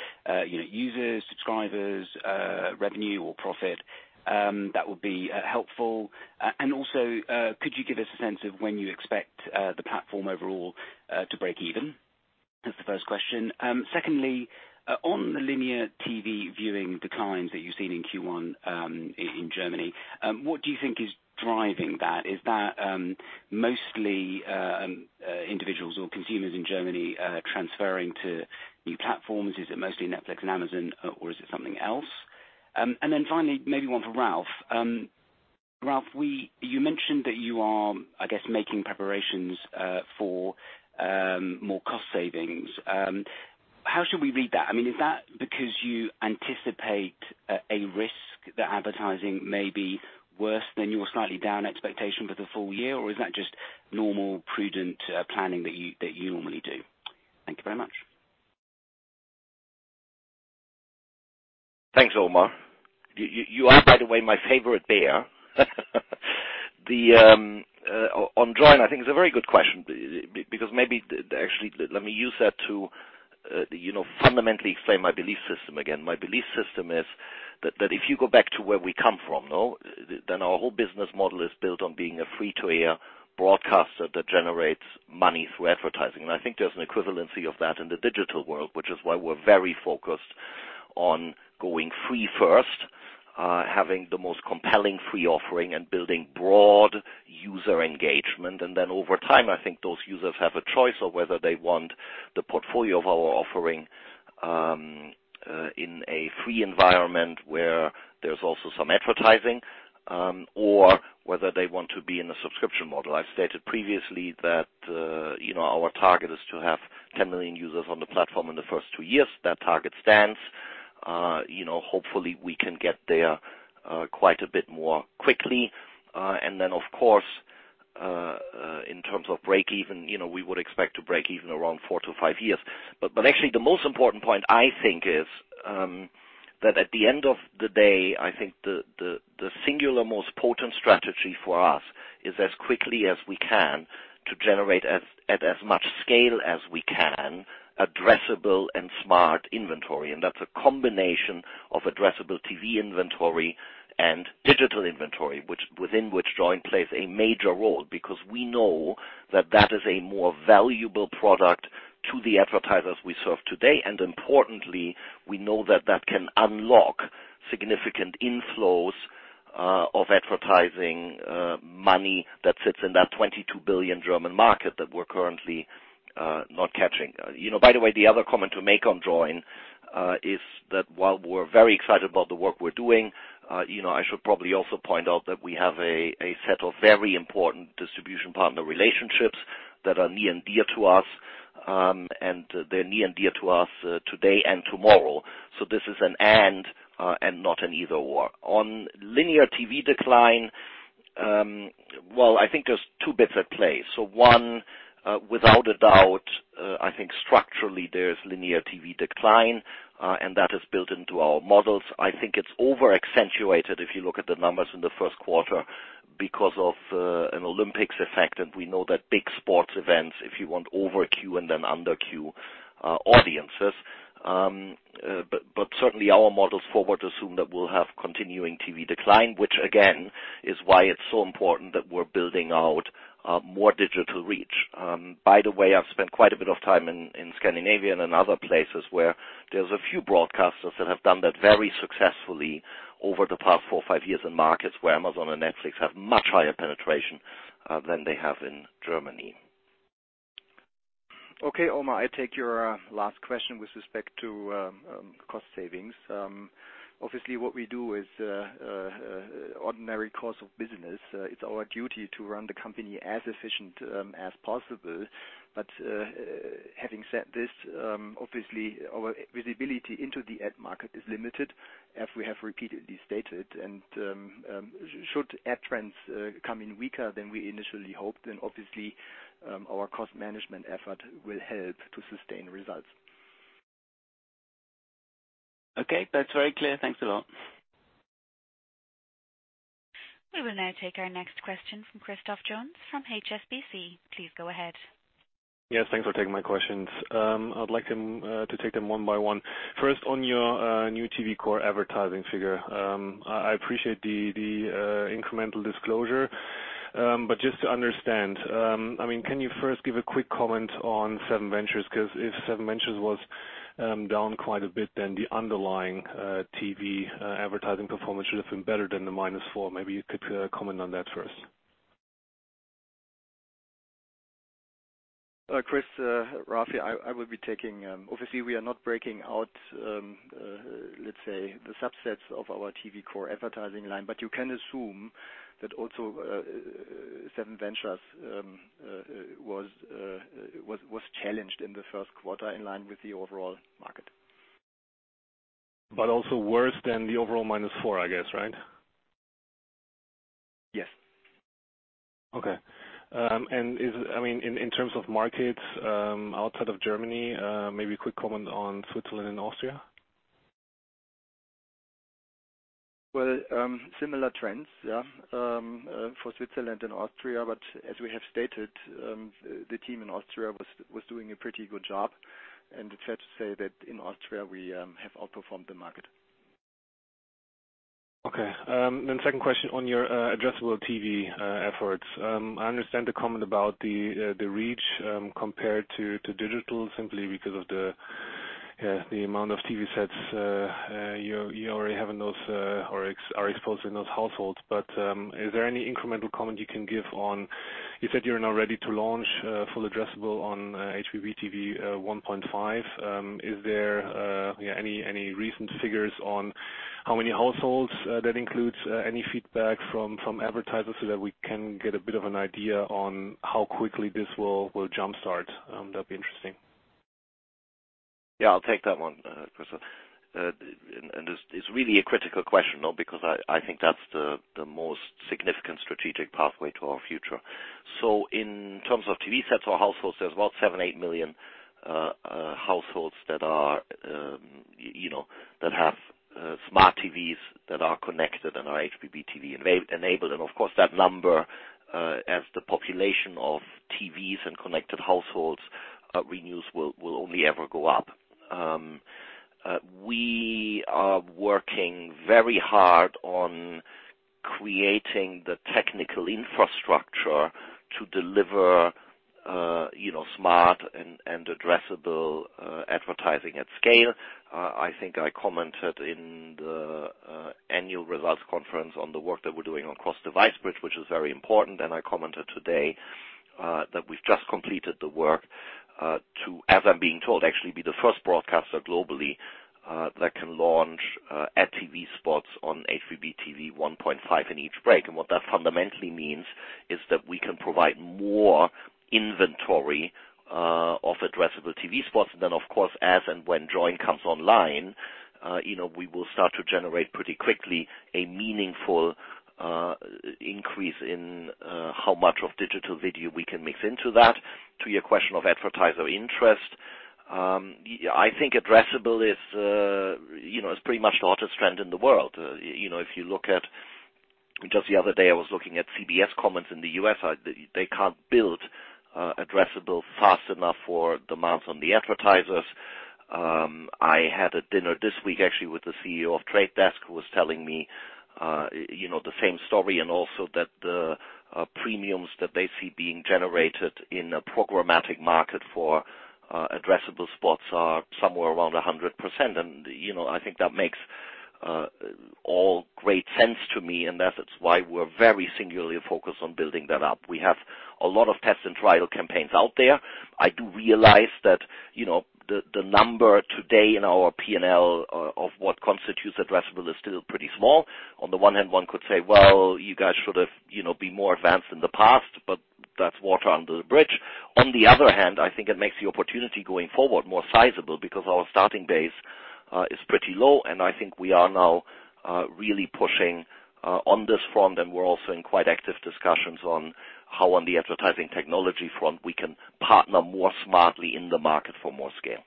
E: users, subscribers, revenue, or profit? That would be helpful. Also, could you give us a sense of when you expect the platform overall to break even? That's the first question. Secondly, on the linear TV viewing declines that you've seen in Q1 in Germany, what do you think is driving that? Is that mostly individuals or consumers in Germany transferring to new platforms? Is it mostly Netflix and Amazon, or is it something else? Finally, maybe one for Ralph. Ralph, you mentioned that you are, I guess, making preparations for more cost savings. How should we read that? Is that because you anticipate a risk that advertising may be worse than your slightly down expectation for the full year, or is that just normal, prudent planning that you normally do? Thank you very much.
B: Thanks, Omar. You are, by the way, my favorite bear. On Joyn, I think it's a very good question because maybe, actually, let me use that to fundamentally explain my belief system again. My belief system is that if you go back to where we come from, our whole business model is built on being a free-to-air broadcaster that generates money through advertising. I think there's an equivalency of that in the digital world, which is why we're very focused on going free first, having the most compelling free offering, and building broad user engagement. Over time, I think those users have a choice of whether they want the portfolio of our offering in a free environment where there's also some advertising, or whether they want to be in a subscription model. I've stated previously that our target is to have 10 million users on the platform in the first two years. That target stands. Hopefully, we can get there quite a bit more quickly. Of course, in terms of break even, we would expect to break even around four to five years. Actually, the most important point, I think, is that at the end of the day, I think the singular most potent strategy for us is as quickly as we can to generate at as much scale as we can, addressable and smart inventory. That's a combination of addressable TV inventory and digital inventory, within which Joyn plays a major role, because we know that that is a more valuable product to the advertisers we serve today, and importantly, we know that that can unlock significant inflows of advertising money that sits in that 22 billion German market that we're currently not capturing. By the way, the other comment to make on Joyn is that while we're very excited about the work we're doing, I should probably also point out that we have a set of very important distribution partner relationships that are near and dear to us, and they're near and dear to us today and tomorrow. This is an and not an either/or. On linear TV decline, well, I think there's two bits at play. One, without a doubt, I think structurally there's linear TV decline, and that is built into our models. I think it's over-accentuated if you look at the numbers in the first quarter because of an Olympics effect, and we know that big sports events, if you want over Q and then under Q, audiences. Certainly, our models forward assume that we'll have continuing TV decline, which again, is why it's so important that we're building out more digital reach. By the way, I've spent quite a bit of time in Scandinavia and in other places where there's a few broadcasters that have done that very successfully over the past four or five years in markets where Amazon and Netflix have much higher penetration than they have in Germany.
A: Okay, Omar, I take your last question with respect to cost savings. Obviously, what we do is ordinary course of business. It's our duty to run the company as efficient as possible. Having said this, obviously, our visibility into the ad market is limited, as we have repeatedly stated. Should ad trends come in weaker than we initially hoped, then obviously, our cost management effort will help to sustain results.
E: Okay. That's very clear. Thanks a lot.
C: We will now take our next question from Christoph Johns from HSBC. Please go ahead.
F: Yes, thanks for taking my questions. I would like to take them one by one. First, on your new TV core advertising figure. I appreciate the incremental disclosure. Just to understand, can you first give a quick comment on SevenVentures? If SevenVentures was down quite a bit, then the underlying TV advertising performance should have been better than the minus four. Maybe you could comment on that first.
A: Chris, Rafi. Obviously, we are not breaking out, let's say, the subsets of our TV core advertising line. You can assume that also SevenVentures was challenged in the first quarter in line with the overall market.
F: Also worse than the overall minus four, I guess, right?
A: Yes.
F: Okay. In terms of markets outside of Germany, maybe a quick comment on Switzerland and Austria?
A: Similar trends, yeah, for Switzerland and Austria. As we have stated, the team in Austria was doing a pretty good job. It's fair to say that in Austria, we have outperformed the market.
F: Okay. Second question on your addressable TV efforts. I understand the comment about the reach compared to digital, simply because of the amount of TV sets you already have. Or are exposed in those households. Is there any incremental comment you can give on, you said you're now ready to launch full addressable on HbbTV 1.5. Is there any recent figures on how many households that includes? Any feedback from advertisers so that we can get a bit of an idea on how quickly this will jumpstart? That'd be interesting.
B: Yeah, I'll take that one, Chris. It's really a critical question because I think that's the most significant strategic pathway to our future. In terms of TV sets or households, there's about seven, eight million households that have smart TVs that are connected and are HbbTV enabled. Of course, that number, as the population of TVs and connected households renews, will only ever go up. We are working very hard on creating the technical infrastructure to deliver smart and addressable advertising at scale. I think I commented in the annual results conference on the work that we're doing on cross-device bridge, which is very important. I commented today that we've just completed the work to, as I'm being told, actually be the first broadcaster globally that can launch ad TV spots on HbbTV 1.5 in each break. What that fundamentally means is that we can provide more inventory of addressable TV spots. Then, of course, as and when Joyn comes online, we will start to generate pretty quickly a meaningful increase in how much of digital video we can mix into that. To your question of advertiser interest, I think addressable is pretty much the hottest trend in the world. Just the other day, I was looking at CBS comments in the U.S. They can't build addressable fast enough for demand from the advertisers. I had a dinner this week, actually, with the CEO of Trade Desk, who was telling me the same story, and also that the premiums that they see being generated in a programmatic market for addressable spots are somewhere around 100%. I think that makes all great sense to me, and that is why we're very singularly focused on building that up. We have a lot of test and trial campaigns out there. I do realize that the number today in our P&L of what constitutes addressable is still pretty small. On the one hand, one could say, "Well, you guys should have been more advanced in the past," but that's water under the bridge. On the other hand, I think it makes the opportunity going forward more sizable because our starting base is pretty low, and I think we are now really pushing on this front, and we're also in quite active discussions on how on the advertising technology front, we can partner more smartly in the market for more scale.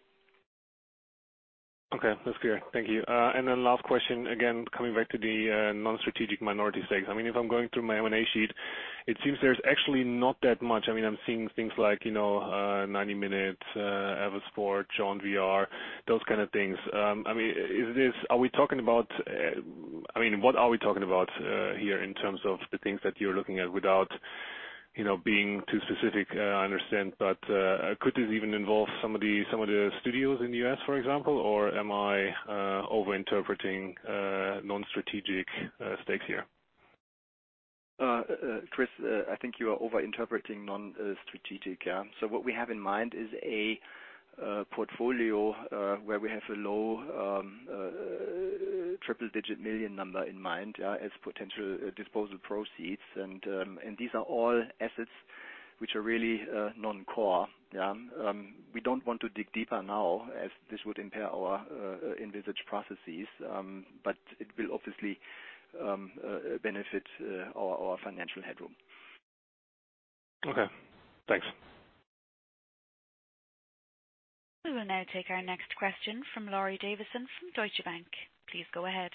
F: Okay. That's clear. Thank you. Last question, again, coming back to the non-strategic minority stakes. If I'm going through my M&A sheet, it seems there's actually not that much. I'm seeing things like 90min, Eversport, Jochen Schweizer, those kind of things. What are we talking about here in terms of the things that you're looking at? Without being too specific, I understand. But could this even involve some of the studios in the U.S., for example? Or am I over-interpreting non-strategic stakes here?
A: Chris, I think you are over-interpreting non-strategic. What we have in mind is a portfolio where we have a EUR low triple-digit million number in mind as potential disposal proceeds. These are all assets which are really non-core. We don't want to dig deeper now as this would impair our envisage processes, but it will obviously benefit our financial headroom.
F: Okay, thanks.
C: We will now take our next question from Laurie Davison from Deutsche Bank. Please go ahead.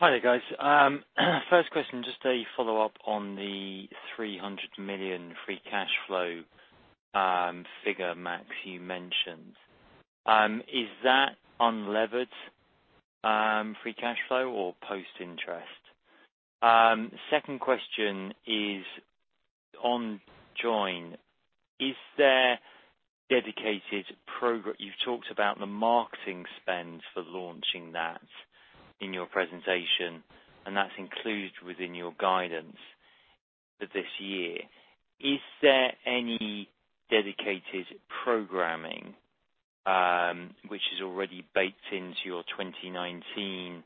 G: Hi there, guys. First question, just a follow-up on the 300 million free cash flow figure, Max, you mentioned. Is that unlevered free cash flow or post-interest? Second question is on Joyn. You've talked about the marketing spend for launching that in your presentation, and that's included within your guidance for this year. Is there any dedicated programming, which is already baked into your 2019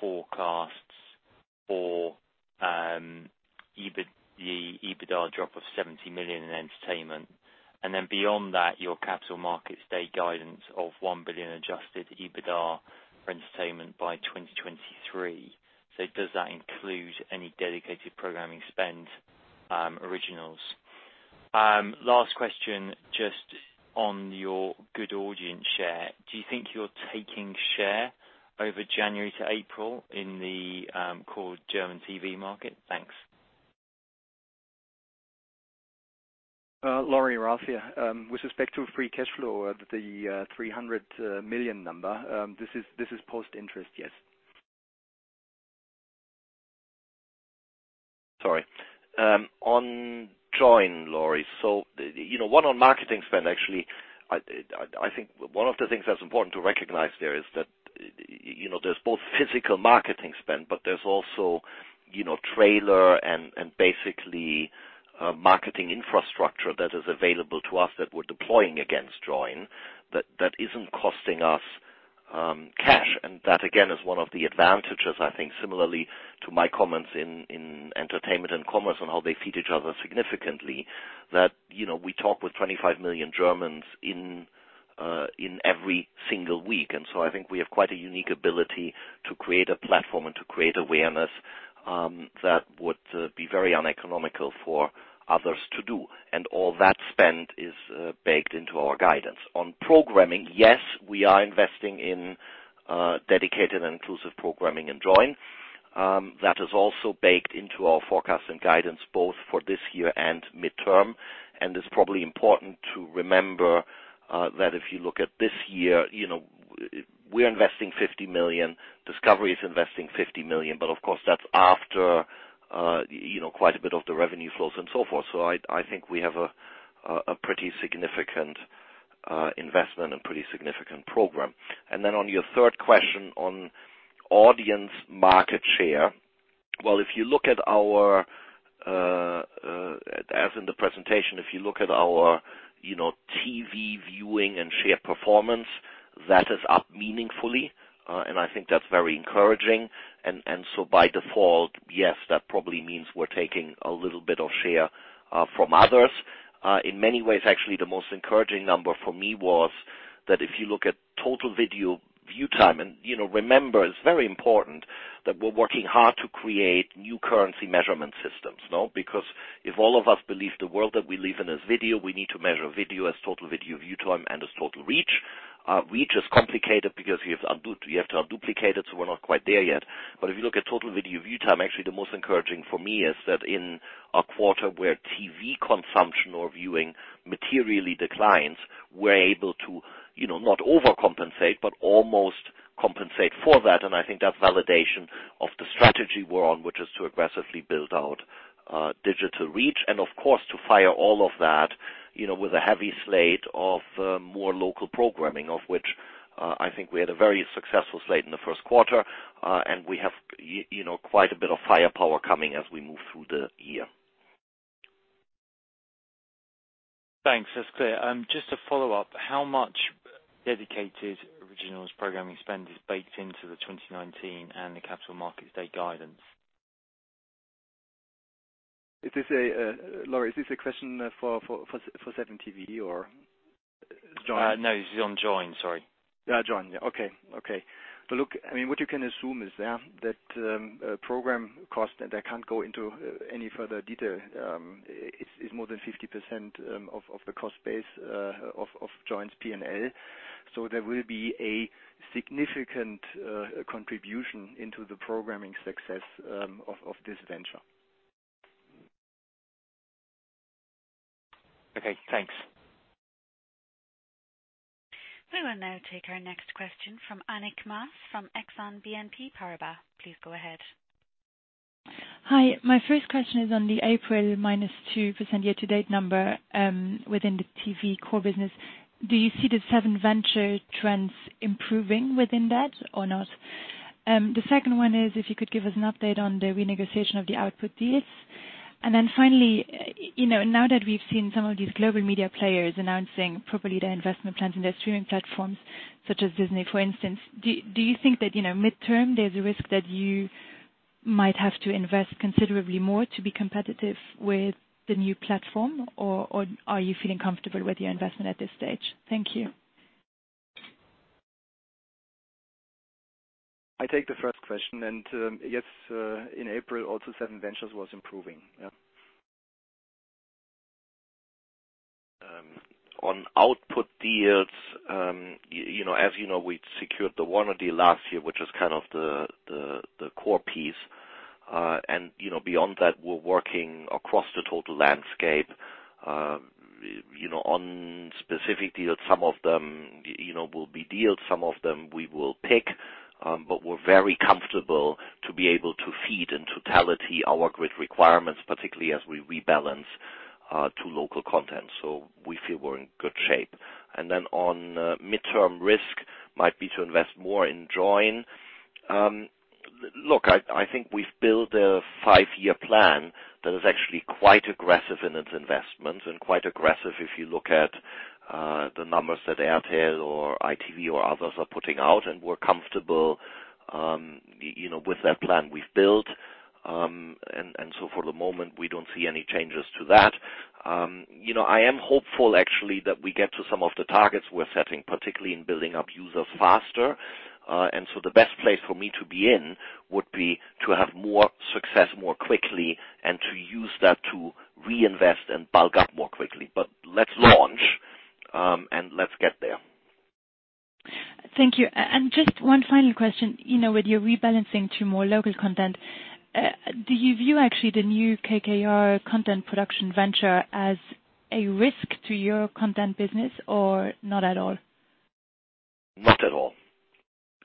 G: forecasts for the EBITDA drop of 70 million in entertainment? Beyond that, your Capital Markets Day guidance of 1 billion adjusted EBITDA for entertainment by 2023. Does that include any dedicated programming spend, originals? Last question, just on your good audience share. Do you think you're taking share over January to April in the core German TV market? Thanks.
A: Laurie, Rafi. With respect to free cash flow, the 300 million number, this is post-interest, yes.
B: Sorry. On Joyn, Laurie. One on marketing spend, actually, I think one of the things that's important to recognize there is that there's both physical marketing spend, but there's also trailer and basically marketing infrastructure that is available to us that we're deploying against Joyn that isn't costing us cash. That again, is one of the advantages, I think, similarly to my comments in entertainment and commerce and how they feed each other significantly, that we talk with 25 million Germans in every single week. I think we have quite a unique ability to create a platform and to create awareness that would be very uneconomical for others to do. All that spend is baked into our guidance. On programming, yes, we are investing in dedicated and inclusive programming in Joyn. That is also baked into our forecast and guidance both for this year and midterm. It's probably important to remember that if you look at this year, we're investing 50 million, Discovery is investing 50 million, but of course, that's after quite a bit of the revenue flows and so forth. I think we have a pretty significant investment and pretty significant program. On your third question on audience market share. As in the presentation, if you look at our TV viewing and share performance, that is up meaningfully. I think that's very encouraging. By default, yes, that probably means we're taking a little bit of share from others. In many ways, actually, the most encouraging number for me was that if you look at total video view time, and remember, it's very important that we're working hard to create new currency measurement systems. Because if all of us believe the world that we live in is video, we need to measure video as total video view time and as total reach. Reach is complicated because you have to un-duplicate it, so we're not quite there yet. If you look at total video view time, actually the most encouraging for me is that in a quarter where TV consumption or viewing materially declines, we're able to not overcompensate, but almost compensate for that. I think that's validation of the strategy we're on, which is to aggressively build out digital reach, and of course, to fire all of that with a heavy slate of more local programming, of which I think we had a very successful slate in the first quarter. We have quite a bit of firepower coming as we move through the year.
G: Thanks. That's clear. Just to follow up, how much dedicated originals programming spend is baked into the 2019 and the Capital Markets Day guidance?
A: Laurie, is this a question for 7TV or Joyn?
G: No, this is on Joyn. Sorry.
B: Yeah, Joyn. Okay. Look, what you can assume is that program cost, and I can't go into any further detail, is more than 50% of the cost base of Joyn's P&L. There will be a significant contribution into the programming success of this venture.
G: Okay, thanks.
C: We will now take our next question from Annick Maas from Exane BNP Paribas. Please go ahead.
H: Hi. My first question is on the April minus 2% year-to-date number within the TV core business. Do you see the SevenVentures trends improving within that or not? The second one is if you could give us an update on the renegotiation of the output deals. Finally, now that we've seen some of these global media players announcing properly their investment plans in their streaming platforms, such as Disney, for instance, do you think that midterm there's a risk that you might have to invest considerably more to be competitive with the new platform, or are you feeling comfortable with your investment at this stage? Thank you.
B: I take the first question. Yes, in April, also SevenVentures was improving. On output deals, as you know, we secured the Warner deal last year, which was the core piece. Beyond that, we're working across the total landscape on specific deals. Some of them will be deals, some of them we will pick. We're very comfortable to be able to feed in totality our grid requirements, particularly as we rebalance to local content. We feel we're in good shape. On midterm risk might be to invest more in Joyn. Look, I think we've built a five-year plan that is actually quite aggressive in its investments and quite aggressive if you look at the numbers that Airtel or ITV or others are putting out. We're comfortable with that plan we've built. For the moment, we don't see any changes to that. I am hopeful, actually, that we get to some of the targets we're setting, particularly in building up users faster. The best place for me to be in would be to have more success more quickly and to use that to reinvest and bulk up more quickly. Let's launch, and let's get there.
H: Thank you. Just one final question. With your rebalancing to more local content, do you view actually the new KKR content production venture as a risk to your content business or not at all?
B: Not at all.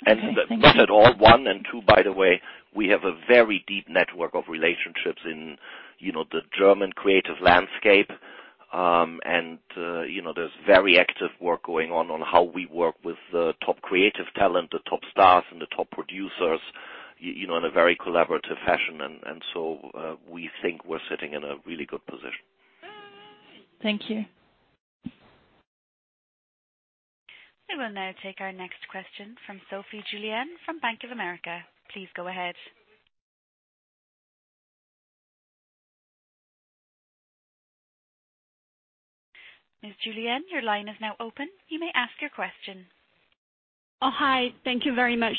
H: Okay. Thank you.
B: Not at all, one. Two, by the way, we have a very deep network of relationships in the German creative landscape. There's very active work going on how we work with the top creative talent, the top stars, and the top producers in a very collaborative fashion. We think we're sitting in a really good position.
H: Thank you.
C: We will now take our next question from Sophie Julienne from Bank of America. Please go ahead. Ms. Julienne, your line is now open. You may ask your question.
I: Hi. Thank you very much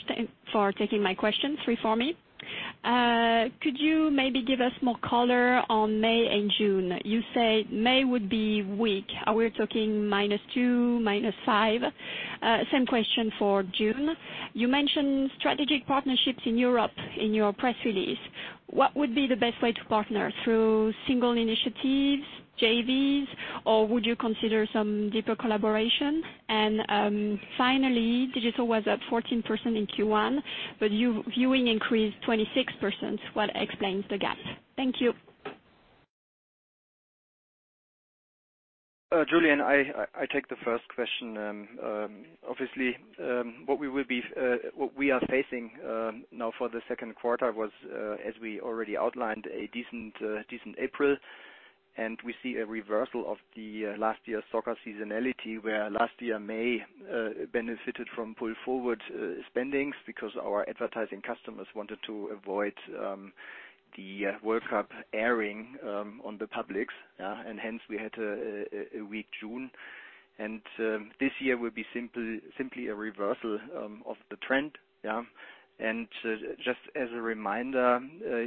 I: for taking my questions for me. Could you maybe give us more color on May and June? You said May would be weak. Are we talking minus two, minus five? Same question for June. You mentioned strategic partnerships in Europe in your press release. What would be the best way to partner? Through single initiatives, JVs, or would you consider some deeper collaboration? Finally, digital was up 14% in Q1, but viewing increased 26%. What explains the gap? Thank you.
B: Julienne, I take the first question. Obviously, what we are facing now for the second quarter was, as we already outlined, a decent April. We see a reversal of last year's soccer seasonality, where last year May benefited from pull forward spendings because our advertising customers wanted to avoid the World Cup airing on the publics. Hence, we had a weak June. This year will be simply a reversal of the trend. Yeah. Just as a reminder,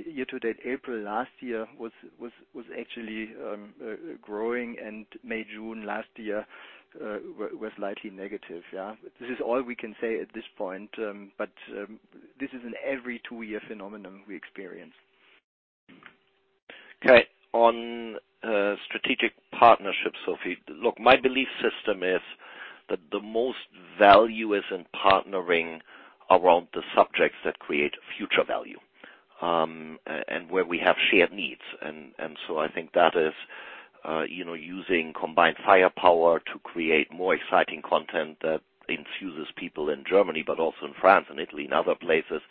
B: year-to-date, April last year was actually growing, and May, June last year were slightly negative, yeah. This is all we can say at this point, but this is an every two-year phenomenon we experience. On strategic partnerships, Sophie. Look, my belief system is that the most value is in partnering around the subjects that create future value, and where we have shared needs. I think that is using combined firepower to create more exciting content that enthuses people in Germany, but also in France and Italy and other places.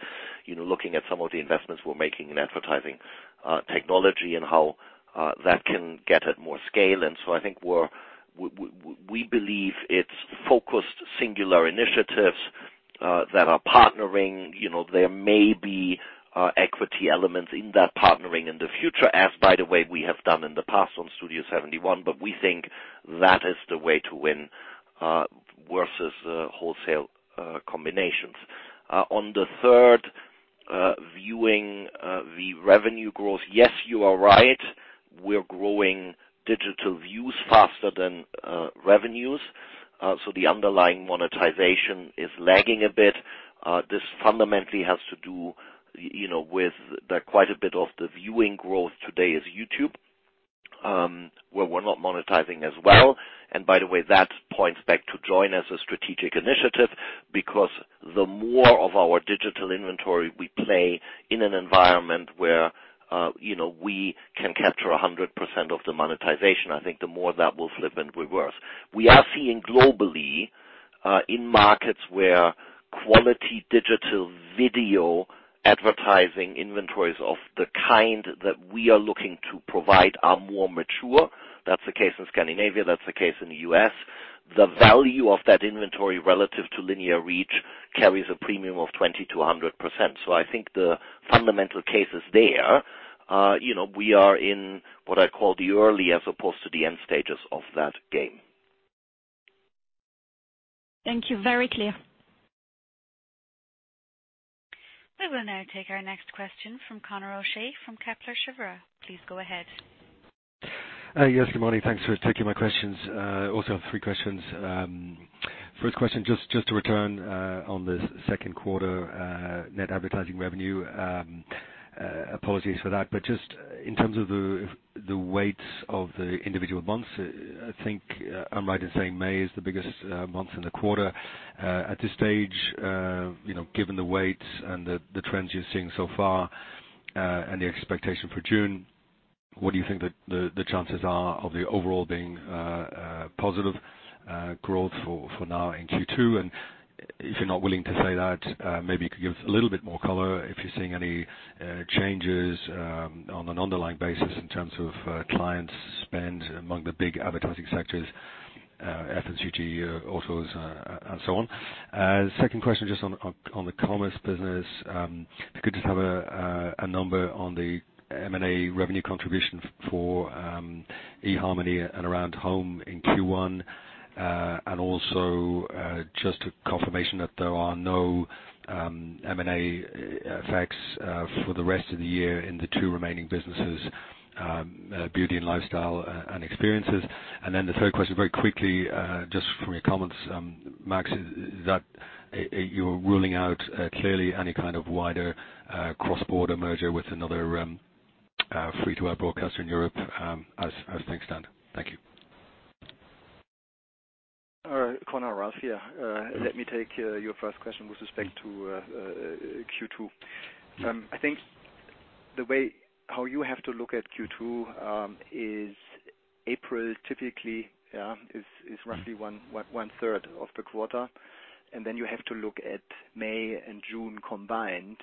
B: Looking at some of the investments we're making in advertising technology and how that can get at more scale. I think we believe it's focused, singular initiatives that are partnering. There may be equity elements in that partnering in the future, as, by the way, we have done in the past on Studio71, but we think that is the way to win versus wholesale combinations. On the third, viewing the revenue growth. Yes, you are right. We're growing digital views faster than revenues. The underlying monetization is lagging a bit. This fundamentally has to do with quite a bit of the viewing growth today is YouTube, where we're not monetizing as well. By the way, that points back to Joyn as a strategic initiative because the more of our digital inventory we play in an environment where we can capture 100% of the monetization, I think the more that will flip and reverse. We are seeing globally, in markets where quality digital video advertising inventories of the kind that we are looking to provide are more mature. That's the case in Scandinavia, that's the case in the U.S. The value of that inventory relative to linear reach carries a premium of 2,200%. I think the fundamental case is there. We are in what I call the early, as opposed to the end stages of that game.
I: Thank you. Very clear.
C: We will now take our next question from Conor O'Shea from Kepler Cheuvreux. Please go ahead.
J: Yes, good morning. Thanks for taking my questions. I also have three questions. My first question, just to return on this second quarter net advertising revenue. Apologies for that, but just in terms of the weights of the individual months, I think I'm right in saying May is the biggest month in the quarter. At this stage, given the weights and the trends you're seeing so far, and the expectation for June, what do you think the chances are of the overall being positive growth for now in Q2? If you're not willing to say that, maybe you could give a little bit more color if you're seeing any changes on an underlying basis in terms of clients' spend among the big advertising sectors, FMCG, autos and so on. My second question, just on the commerce business. If I could just have a number on the M&A revenue contribution for eHarmony and Aroundhome in Q1, and also, just a confirmation that there are no M&A effects for the rest of the year in the two remaining businesses, beauty and lifestyle and experiences. My third question, very quickly, just from your comments, Max, that you're ruling out clearly any kind of wider cross-border merger with another free-to-air broadcaster in Europe as things stand. Thank you.
A: All right, Conor. Ralf here. Let me take your first question with respect to Q2. I think the way how you have to look at Q2 is April typically is roughly one third of the quarter, and then you have to look at May and June combined.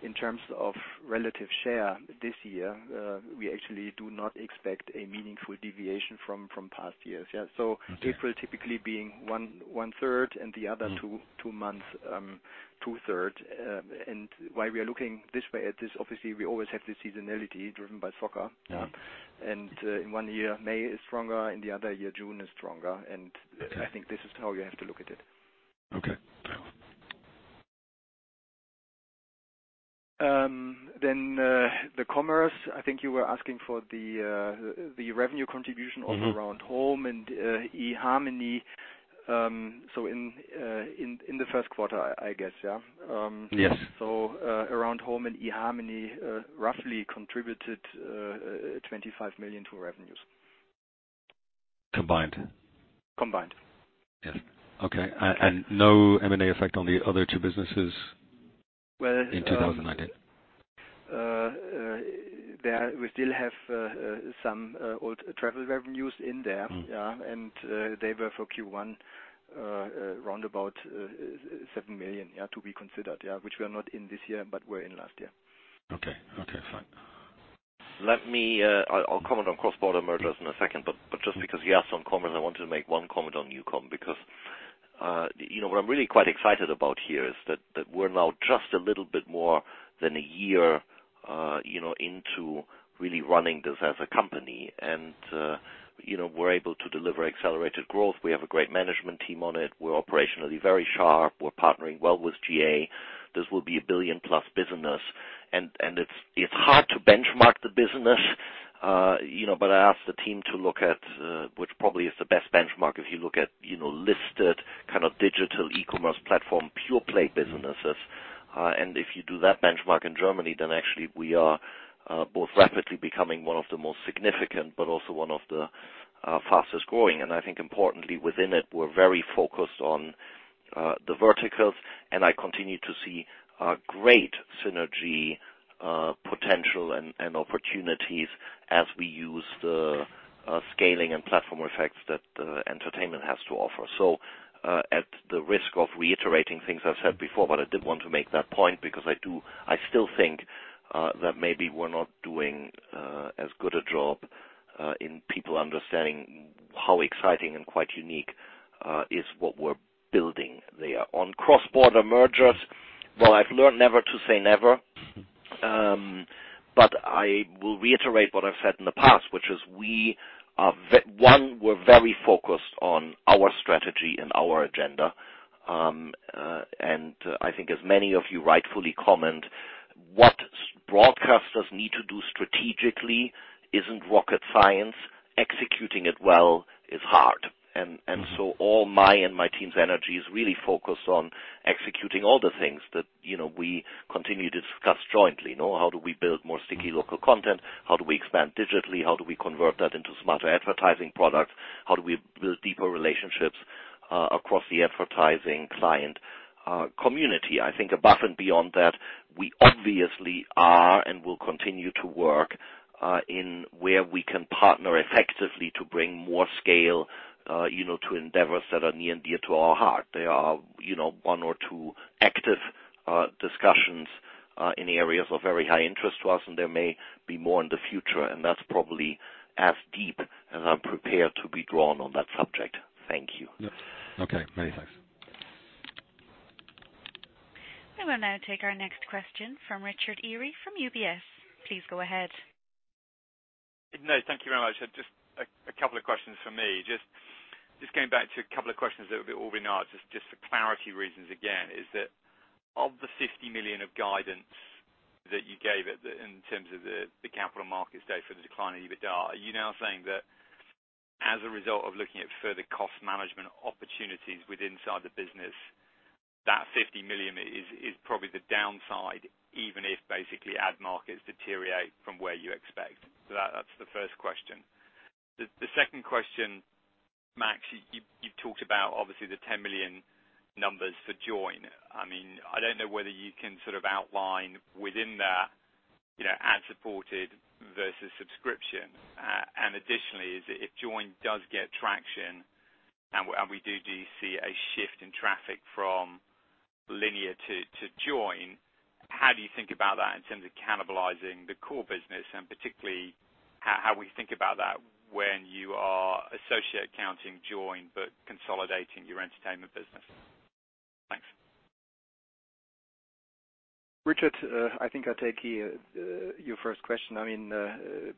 A: In terms of relative share this year, we actually do not expect a meaningful deviation from past years. April typically being one third and the other two months, two third. Why we are looking this way at this, obviously, we always have the seasonality driven by soccer.
J: Yeah.
A: In one year, May is stronger, in the other year, June is stronger. I think this is how you have to look at it.
J: Okay. Fair.
A: The commerce, I think you were asking for the revenue contribution of Aroundhome and eHarmony. In the first quarter, I guess, yeah?
J: Yes.
A: Aroundhome and eHarmony roughly contributed 25 million to revenues.
J: Combined?
A: Combined.
J: Yes. Okay. No M&A effect on the other two businesses.
A: Well-
J: in 2019?
A: We still have some old travel revenues in there. Yeah, they were for Q1, around about 7 million to be considered, yeah, which were not in this year, but were in last year.
J: Okay. Fine.
B: I'll comment on cross-border mergers in a second, but just because you asked on commerce, I wanted to make one comment on NuCom, because what I'm really quite excited about here is that we're now just a little bit more than a year into really running this as a company. We're able to deliver accelerated growth. We have a great management team on it. We're operationally very sharp. We're partnering well with GA. This will be a billion-plus business, and it's hard to benchmark the business. I asked the team to look at, which probably is the best benchmark if you look at listed kind of digital e-commerce platform, pure play businesses. If you do that benchmark in Germany, actually we are both rapidly becoming one of the most significant, but also one of the fastest-growing. I think importantly within it, we're very focused on the verticals, and I continue to see great synergy potential and opportunities as we use the scaling and platform effects that entertainment has to offer. At the risk of reiterating things I've said before, I did want to make that point because I still think that maybe we're not doing as good a job in people understanding how exciting and quite unique is what we're building there. On cross-border mergers, while I've learned never to say never, I will reiterate what I've said in the past, which is, one, we're very focused on our strategy and our agenda. I think as many of you rightfully comment, what broadcasters need to do strategically isn't rocket science. Executing it well is hard. All my and my team's energy is really focused on executing all the things that we continue to discuss jointly. How do we build more sticky local content? How do we expand digitally? How do we convert that into smarter advertising products? How do we build deeper relationships across the advertising client community? I think above and beyond that, we obviously are and will continue to work in where we can partner effectively to bring more scale to endeavors that are near and dear to our heart. There are one or two active discussions in areas of very high interest to us, and there may be more in the future, and that's probably as deep as I'm prepared to be drawn on that subject. Thank you.
A: Okay, many thanks.
C: We will now take our next question from Richard Eary from UBS. Please go ahead.
K: No, thank you very much. Just a couple of questions from me. Just going back to a couple of questions that have been already asked, just for clarity reasons again, is that of the 50 million of guidance that you gave in terms of the capital markets day for the decline in EBITDA, are you now saying that as a result of looking at further cost management opportunities inside the business, that 50 million is probably the downside, even if basically ad markets deteriorate from where you expect? That's the first question. The second question, Max, you talked about, obviously, the 10 million numbers for Joyn. I don't know whether you can outline within that ad-supported versus subscription. Additionally, if Joyn does get traction and we do see a shift in traffic from linear to Joyn, how do you think about that in terms of cannibalizing the core business, and particularly, how we think about that when you are associate counting Joyn, but consolidating your entertainment business? Thanks.
A: Richard, I think I'll take your first question.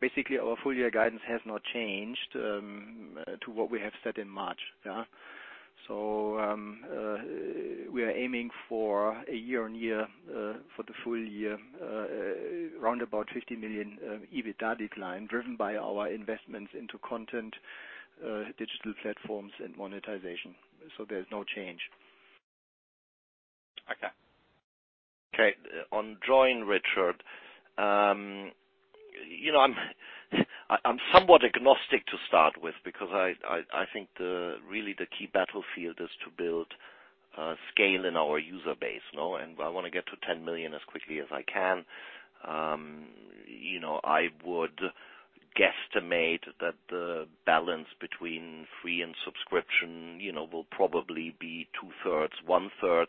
A: Basically, our full year guidance has not changed to what we have said in March. We are aiming for a year-on-year, for the full year, around about 50 million EBITDA decline driven by our investments into content, digital platforms, and monetization. There's no change.
K: Okay.
B: Okay. On Joyn, Richard. I'm somewhat agnostic to start with because I think really the key battlefield is to build scale in our user base. I want to get to 10 million as quickly as I can. I would guesstimate that the balance between free and subscription will probably be two-thirds, one-third.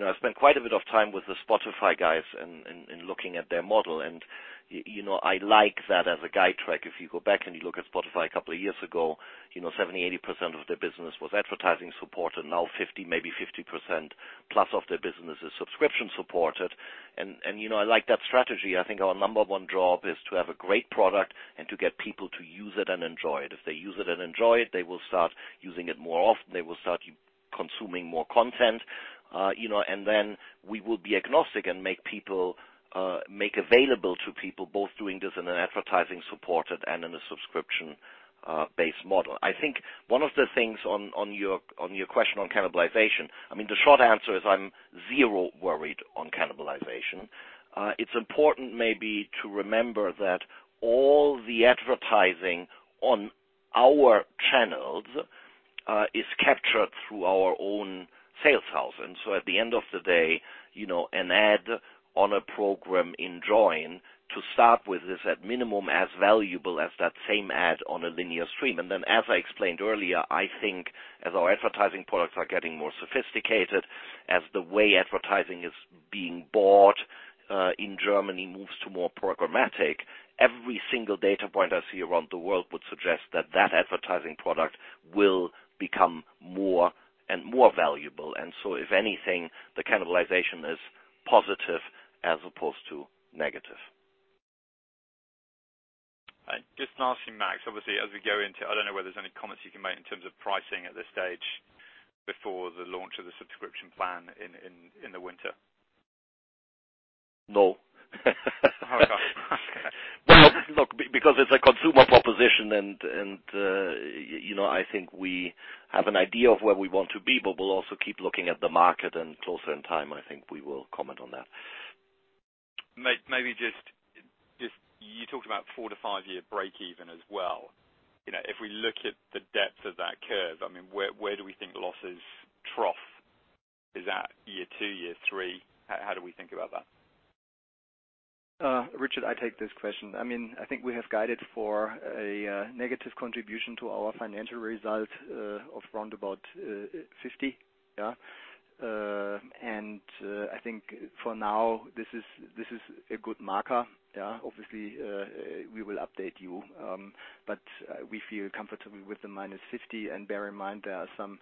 B: I spent quite a bit of time with the Spotify guys in looking at their model, and I like that as a guide track. If you go back and you look at Spotify a couple of years ago, 70%, 80% of their business was advertising supported. Now, maybe 50% plus of their business is subscription supported. I like that strategy. I think our number one job is to have a great product and to get people to use it and enjoy it. If they use it and enjoy it, they will start using it more often. They will start consuming more content. We will be agnostic and make available to people, both doing this in an advertising supported and in a subscription-based model. I think one of the things on your question on cannibalization, the short answer is I'm zero worried on cannibalization. It's important maybe to remember that all the advertising on our channels is captured through our own sales house. At the end of the day, an ad on a program in Joyn to start with is at minimum as valuable as that same ad on a linear stream. As I explained earlier, I think as our advertising products are getting more sophisticated, as the way advertising is being bought in Germany moves to more programmatic, every single data point I see around the world would suggest that that advertising product will become more and more valuable. If anything, the cannibalization is positive as opposed to negative.
K: Just lastly, Max, obviously, as we go into, I don't know whether there's any comments you can make in terms of pricing at this stage before the launch of the subscription plan in the winter.
B: No.
K: Okay.
B: Look, because it's a consumer proposition, and I think we have an idea of where we want to be, but we'll also keep looking at the market, and closer in time, I think we will comment on that.
K: Maybe just, you talked about four to five-year breakeven as well. If we look at the depth of that curve, where do we think losses trough? Is that year 2, year 3? How do we think about that?
A: Richard, I take this question. I think we have guided for a negative contribution to our financial result of around about 50. I think for now, this is a good marker. Obviously, we will update you. We feel comfortable with the minus 50. Bear in mind, there are some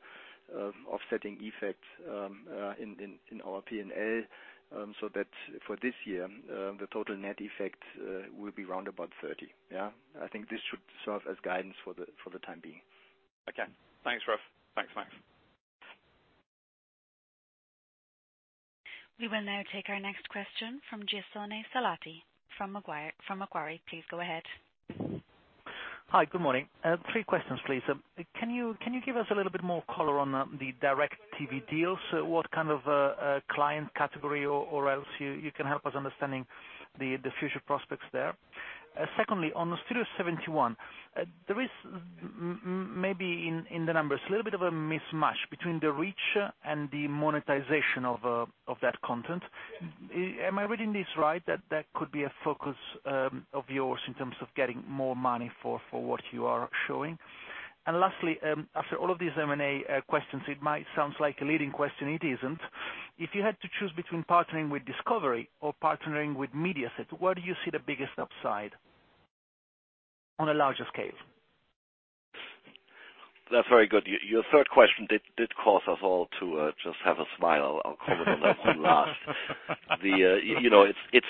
A: offsetting effects in our P&L, so that for this year, the total net effect will be around about 30. I think this should serve as guidance for the time being.
K: Okay. Thanks, Ralf.
C: We will now take our next question from Giasone Salati from Macquarie. Please go ahead.
L: Hi, good morning. three questions, please. Can you give us a little bit more color on the direct TV deals? What kind of client category, or else you can help us understanding the future prospects there. Secondly, on Studio71, there is maybe in the numbers, a little bit of a mismatch between the reach and the monetization of that content. Am I reading this right? That could be a focus of yours in terms of getting more money for what you are showing? Lastly, after all of these M&A questions, it might sound like a leading question. It isn't. If you had to choose between partnering with Discovery or partnering with Mediaset, where do you see the biggest upside on a larger scale?
B: That's very good. Your third question did cause us all to just have a smile. I'll call it on that one last. It's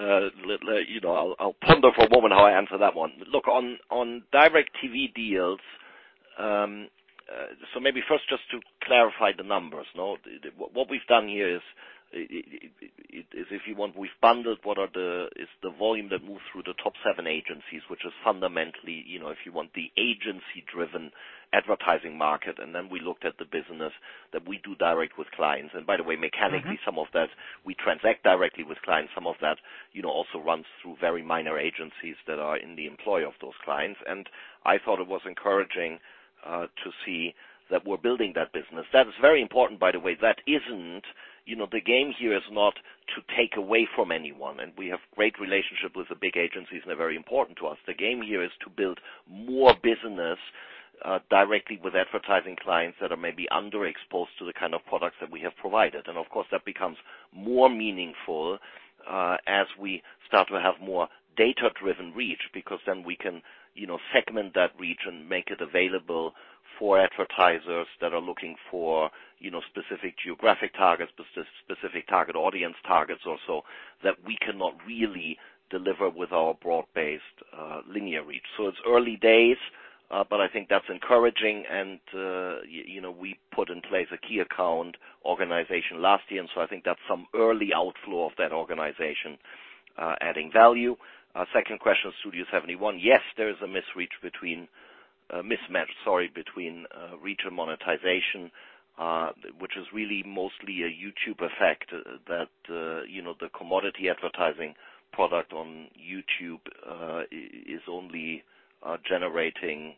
B: big. I'll ponder for a moment how I answer that one. Look, on direct TV deals, maybe first, just to clarify the numbers. What we've done here is, if you want, we've bundled what is the volume that moves through the top seven agencies, which is fundamentally, if you want, the agency-driven advertising market. Then we looked at the business that we do direct with clients. By the way, mechanically, some of that we transact directly with clients. Some of that also runs through very minor agencies that are in the employ of those clients. I thought it was encouraging to see that we're building that business. That is very important, by the way. The game here is not to take away from anyone, and we have great relationships with the big agencies, and they're very important to us. The game here is to build more business directly with advertising clients that are maybe underexposed to the kind of products that we have provided. Of course, that becomes more meaningful, as we start to have more data-driven reach, because then we can segment that reach and make it available for advertisers that are looking for specific geographic targets, specific target audience targets also that we cannot really deliver with our broad-based linear reach. It's early days, but I think that's encouraging. We put in place a key account organization last year, and so I think that's some early outflow of that organization, adding value. Second question, Studio71. Yes, there is a mismatch between reach and monetization, which is really mostly a YouTube effect, that the commodity advertising product on YouTube, is only generating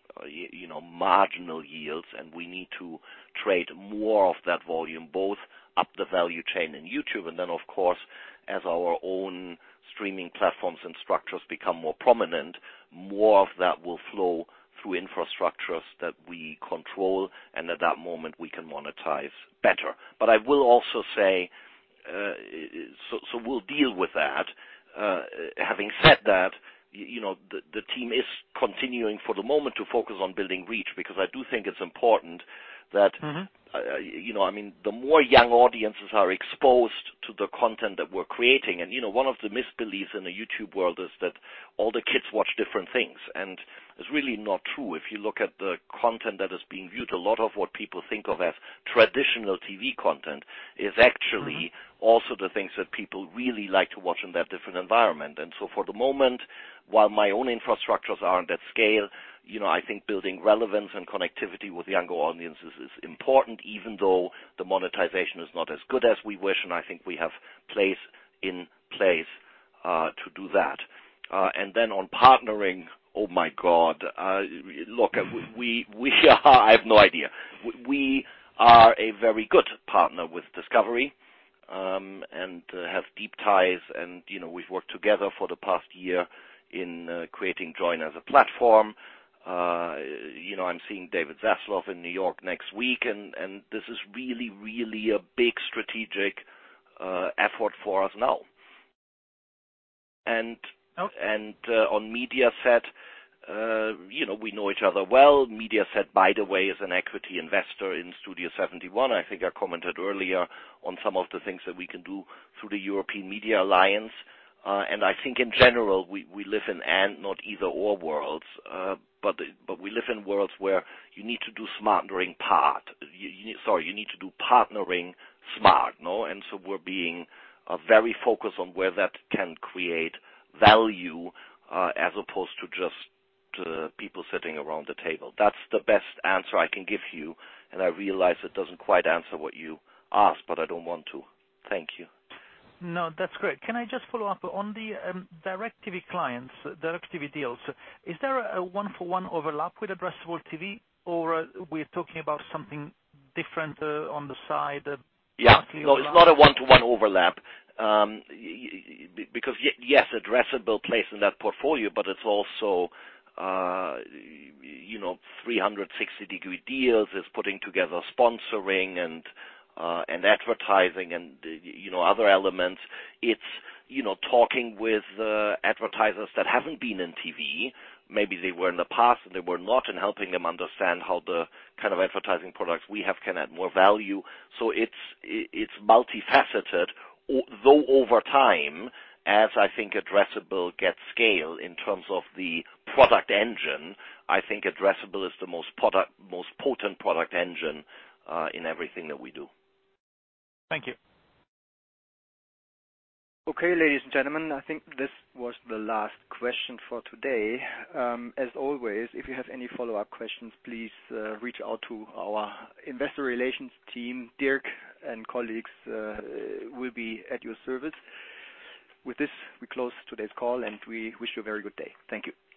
B: marginal yields, and we need to trade more of that volume, both up the value chain in YouTube. Of course, as our own streaming platforms and structures become more prominent, more of that will flow through infrastructures that we control, and at that moment, we can monetize better. I will also say, we'll deal with that. Having said that, the team is continuing for the moment to focus on building reach, because I do think it's important that- the more young audiences are exposed to the content that we're creating. One of the misbeliefs in the YouTube world is that all the kids watch different things, and it's really not true. If you look at the content that is being viewed, a lot of what people think of as traditional TV content is actually also the things that people really like to watch in that different environment. For the moment, while my own infrastructures aren't at scale, I think building relevance and connectivity with younger audiences is important, even though the monetization is not as good as we wish, and I think we have plans in place, to do that. On partnering, Oh, my God. Look, I have no idea. We are a very good partner with Discovery, and have deep ties, and we've worked together for the past year in creating Joyn as a platform. I'm seeing David Zaslav in New York next week, this is really a big strategic effort for us now.
L: Okay
B: on Mediaset, we know each other well. Mediaset, by the way, is an equity investor in Studio71. I think I commented earlier on some of the things that we can do through the European Media Alliance. I think in general, we live in and not either/or worlds. We live in worlds where you need to do partnering smart. We're being very focused on where that can create value, as opposed to just people sitting around the table. That's the best answer I can give you, I realize it doesn't quite answer what you asked, I don't want to. Thank you.
L: No, that is great. Can I just follow up on the direct TV clients, direct TV deals? Is there a one-for-one overlap with addressable TV, or we're talking about something different on the side?
B: Yeah. No, it's not a one-to-one overlap. Yes, addressable plays in that portfolio, but it's also 360-degree deals. It's putting together sponsoring and advertising and other elements. It's talking with advertisers that haven't been in TV. Maybe they were in the past, and they were not, and helping them understand how the kind of advertising products we have can add more value. It's multifaceted, though over time, as I think addressable gets scale in terms of the product engine, I think addressable is the most potent product engine, in everything that we do.
L: Thank you.
A: Okay, ladies and gentlemen, I think this was the last question for today. As always, if you have any follow-up questions, please reach out to our investor relations team. Dirk and colleagues will be at your service. With this, we close today's call, and we wish you a very good day. Thank you.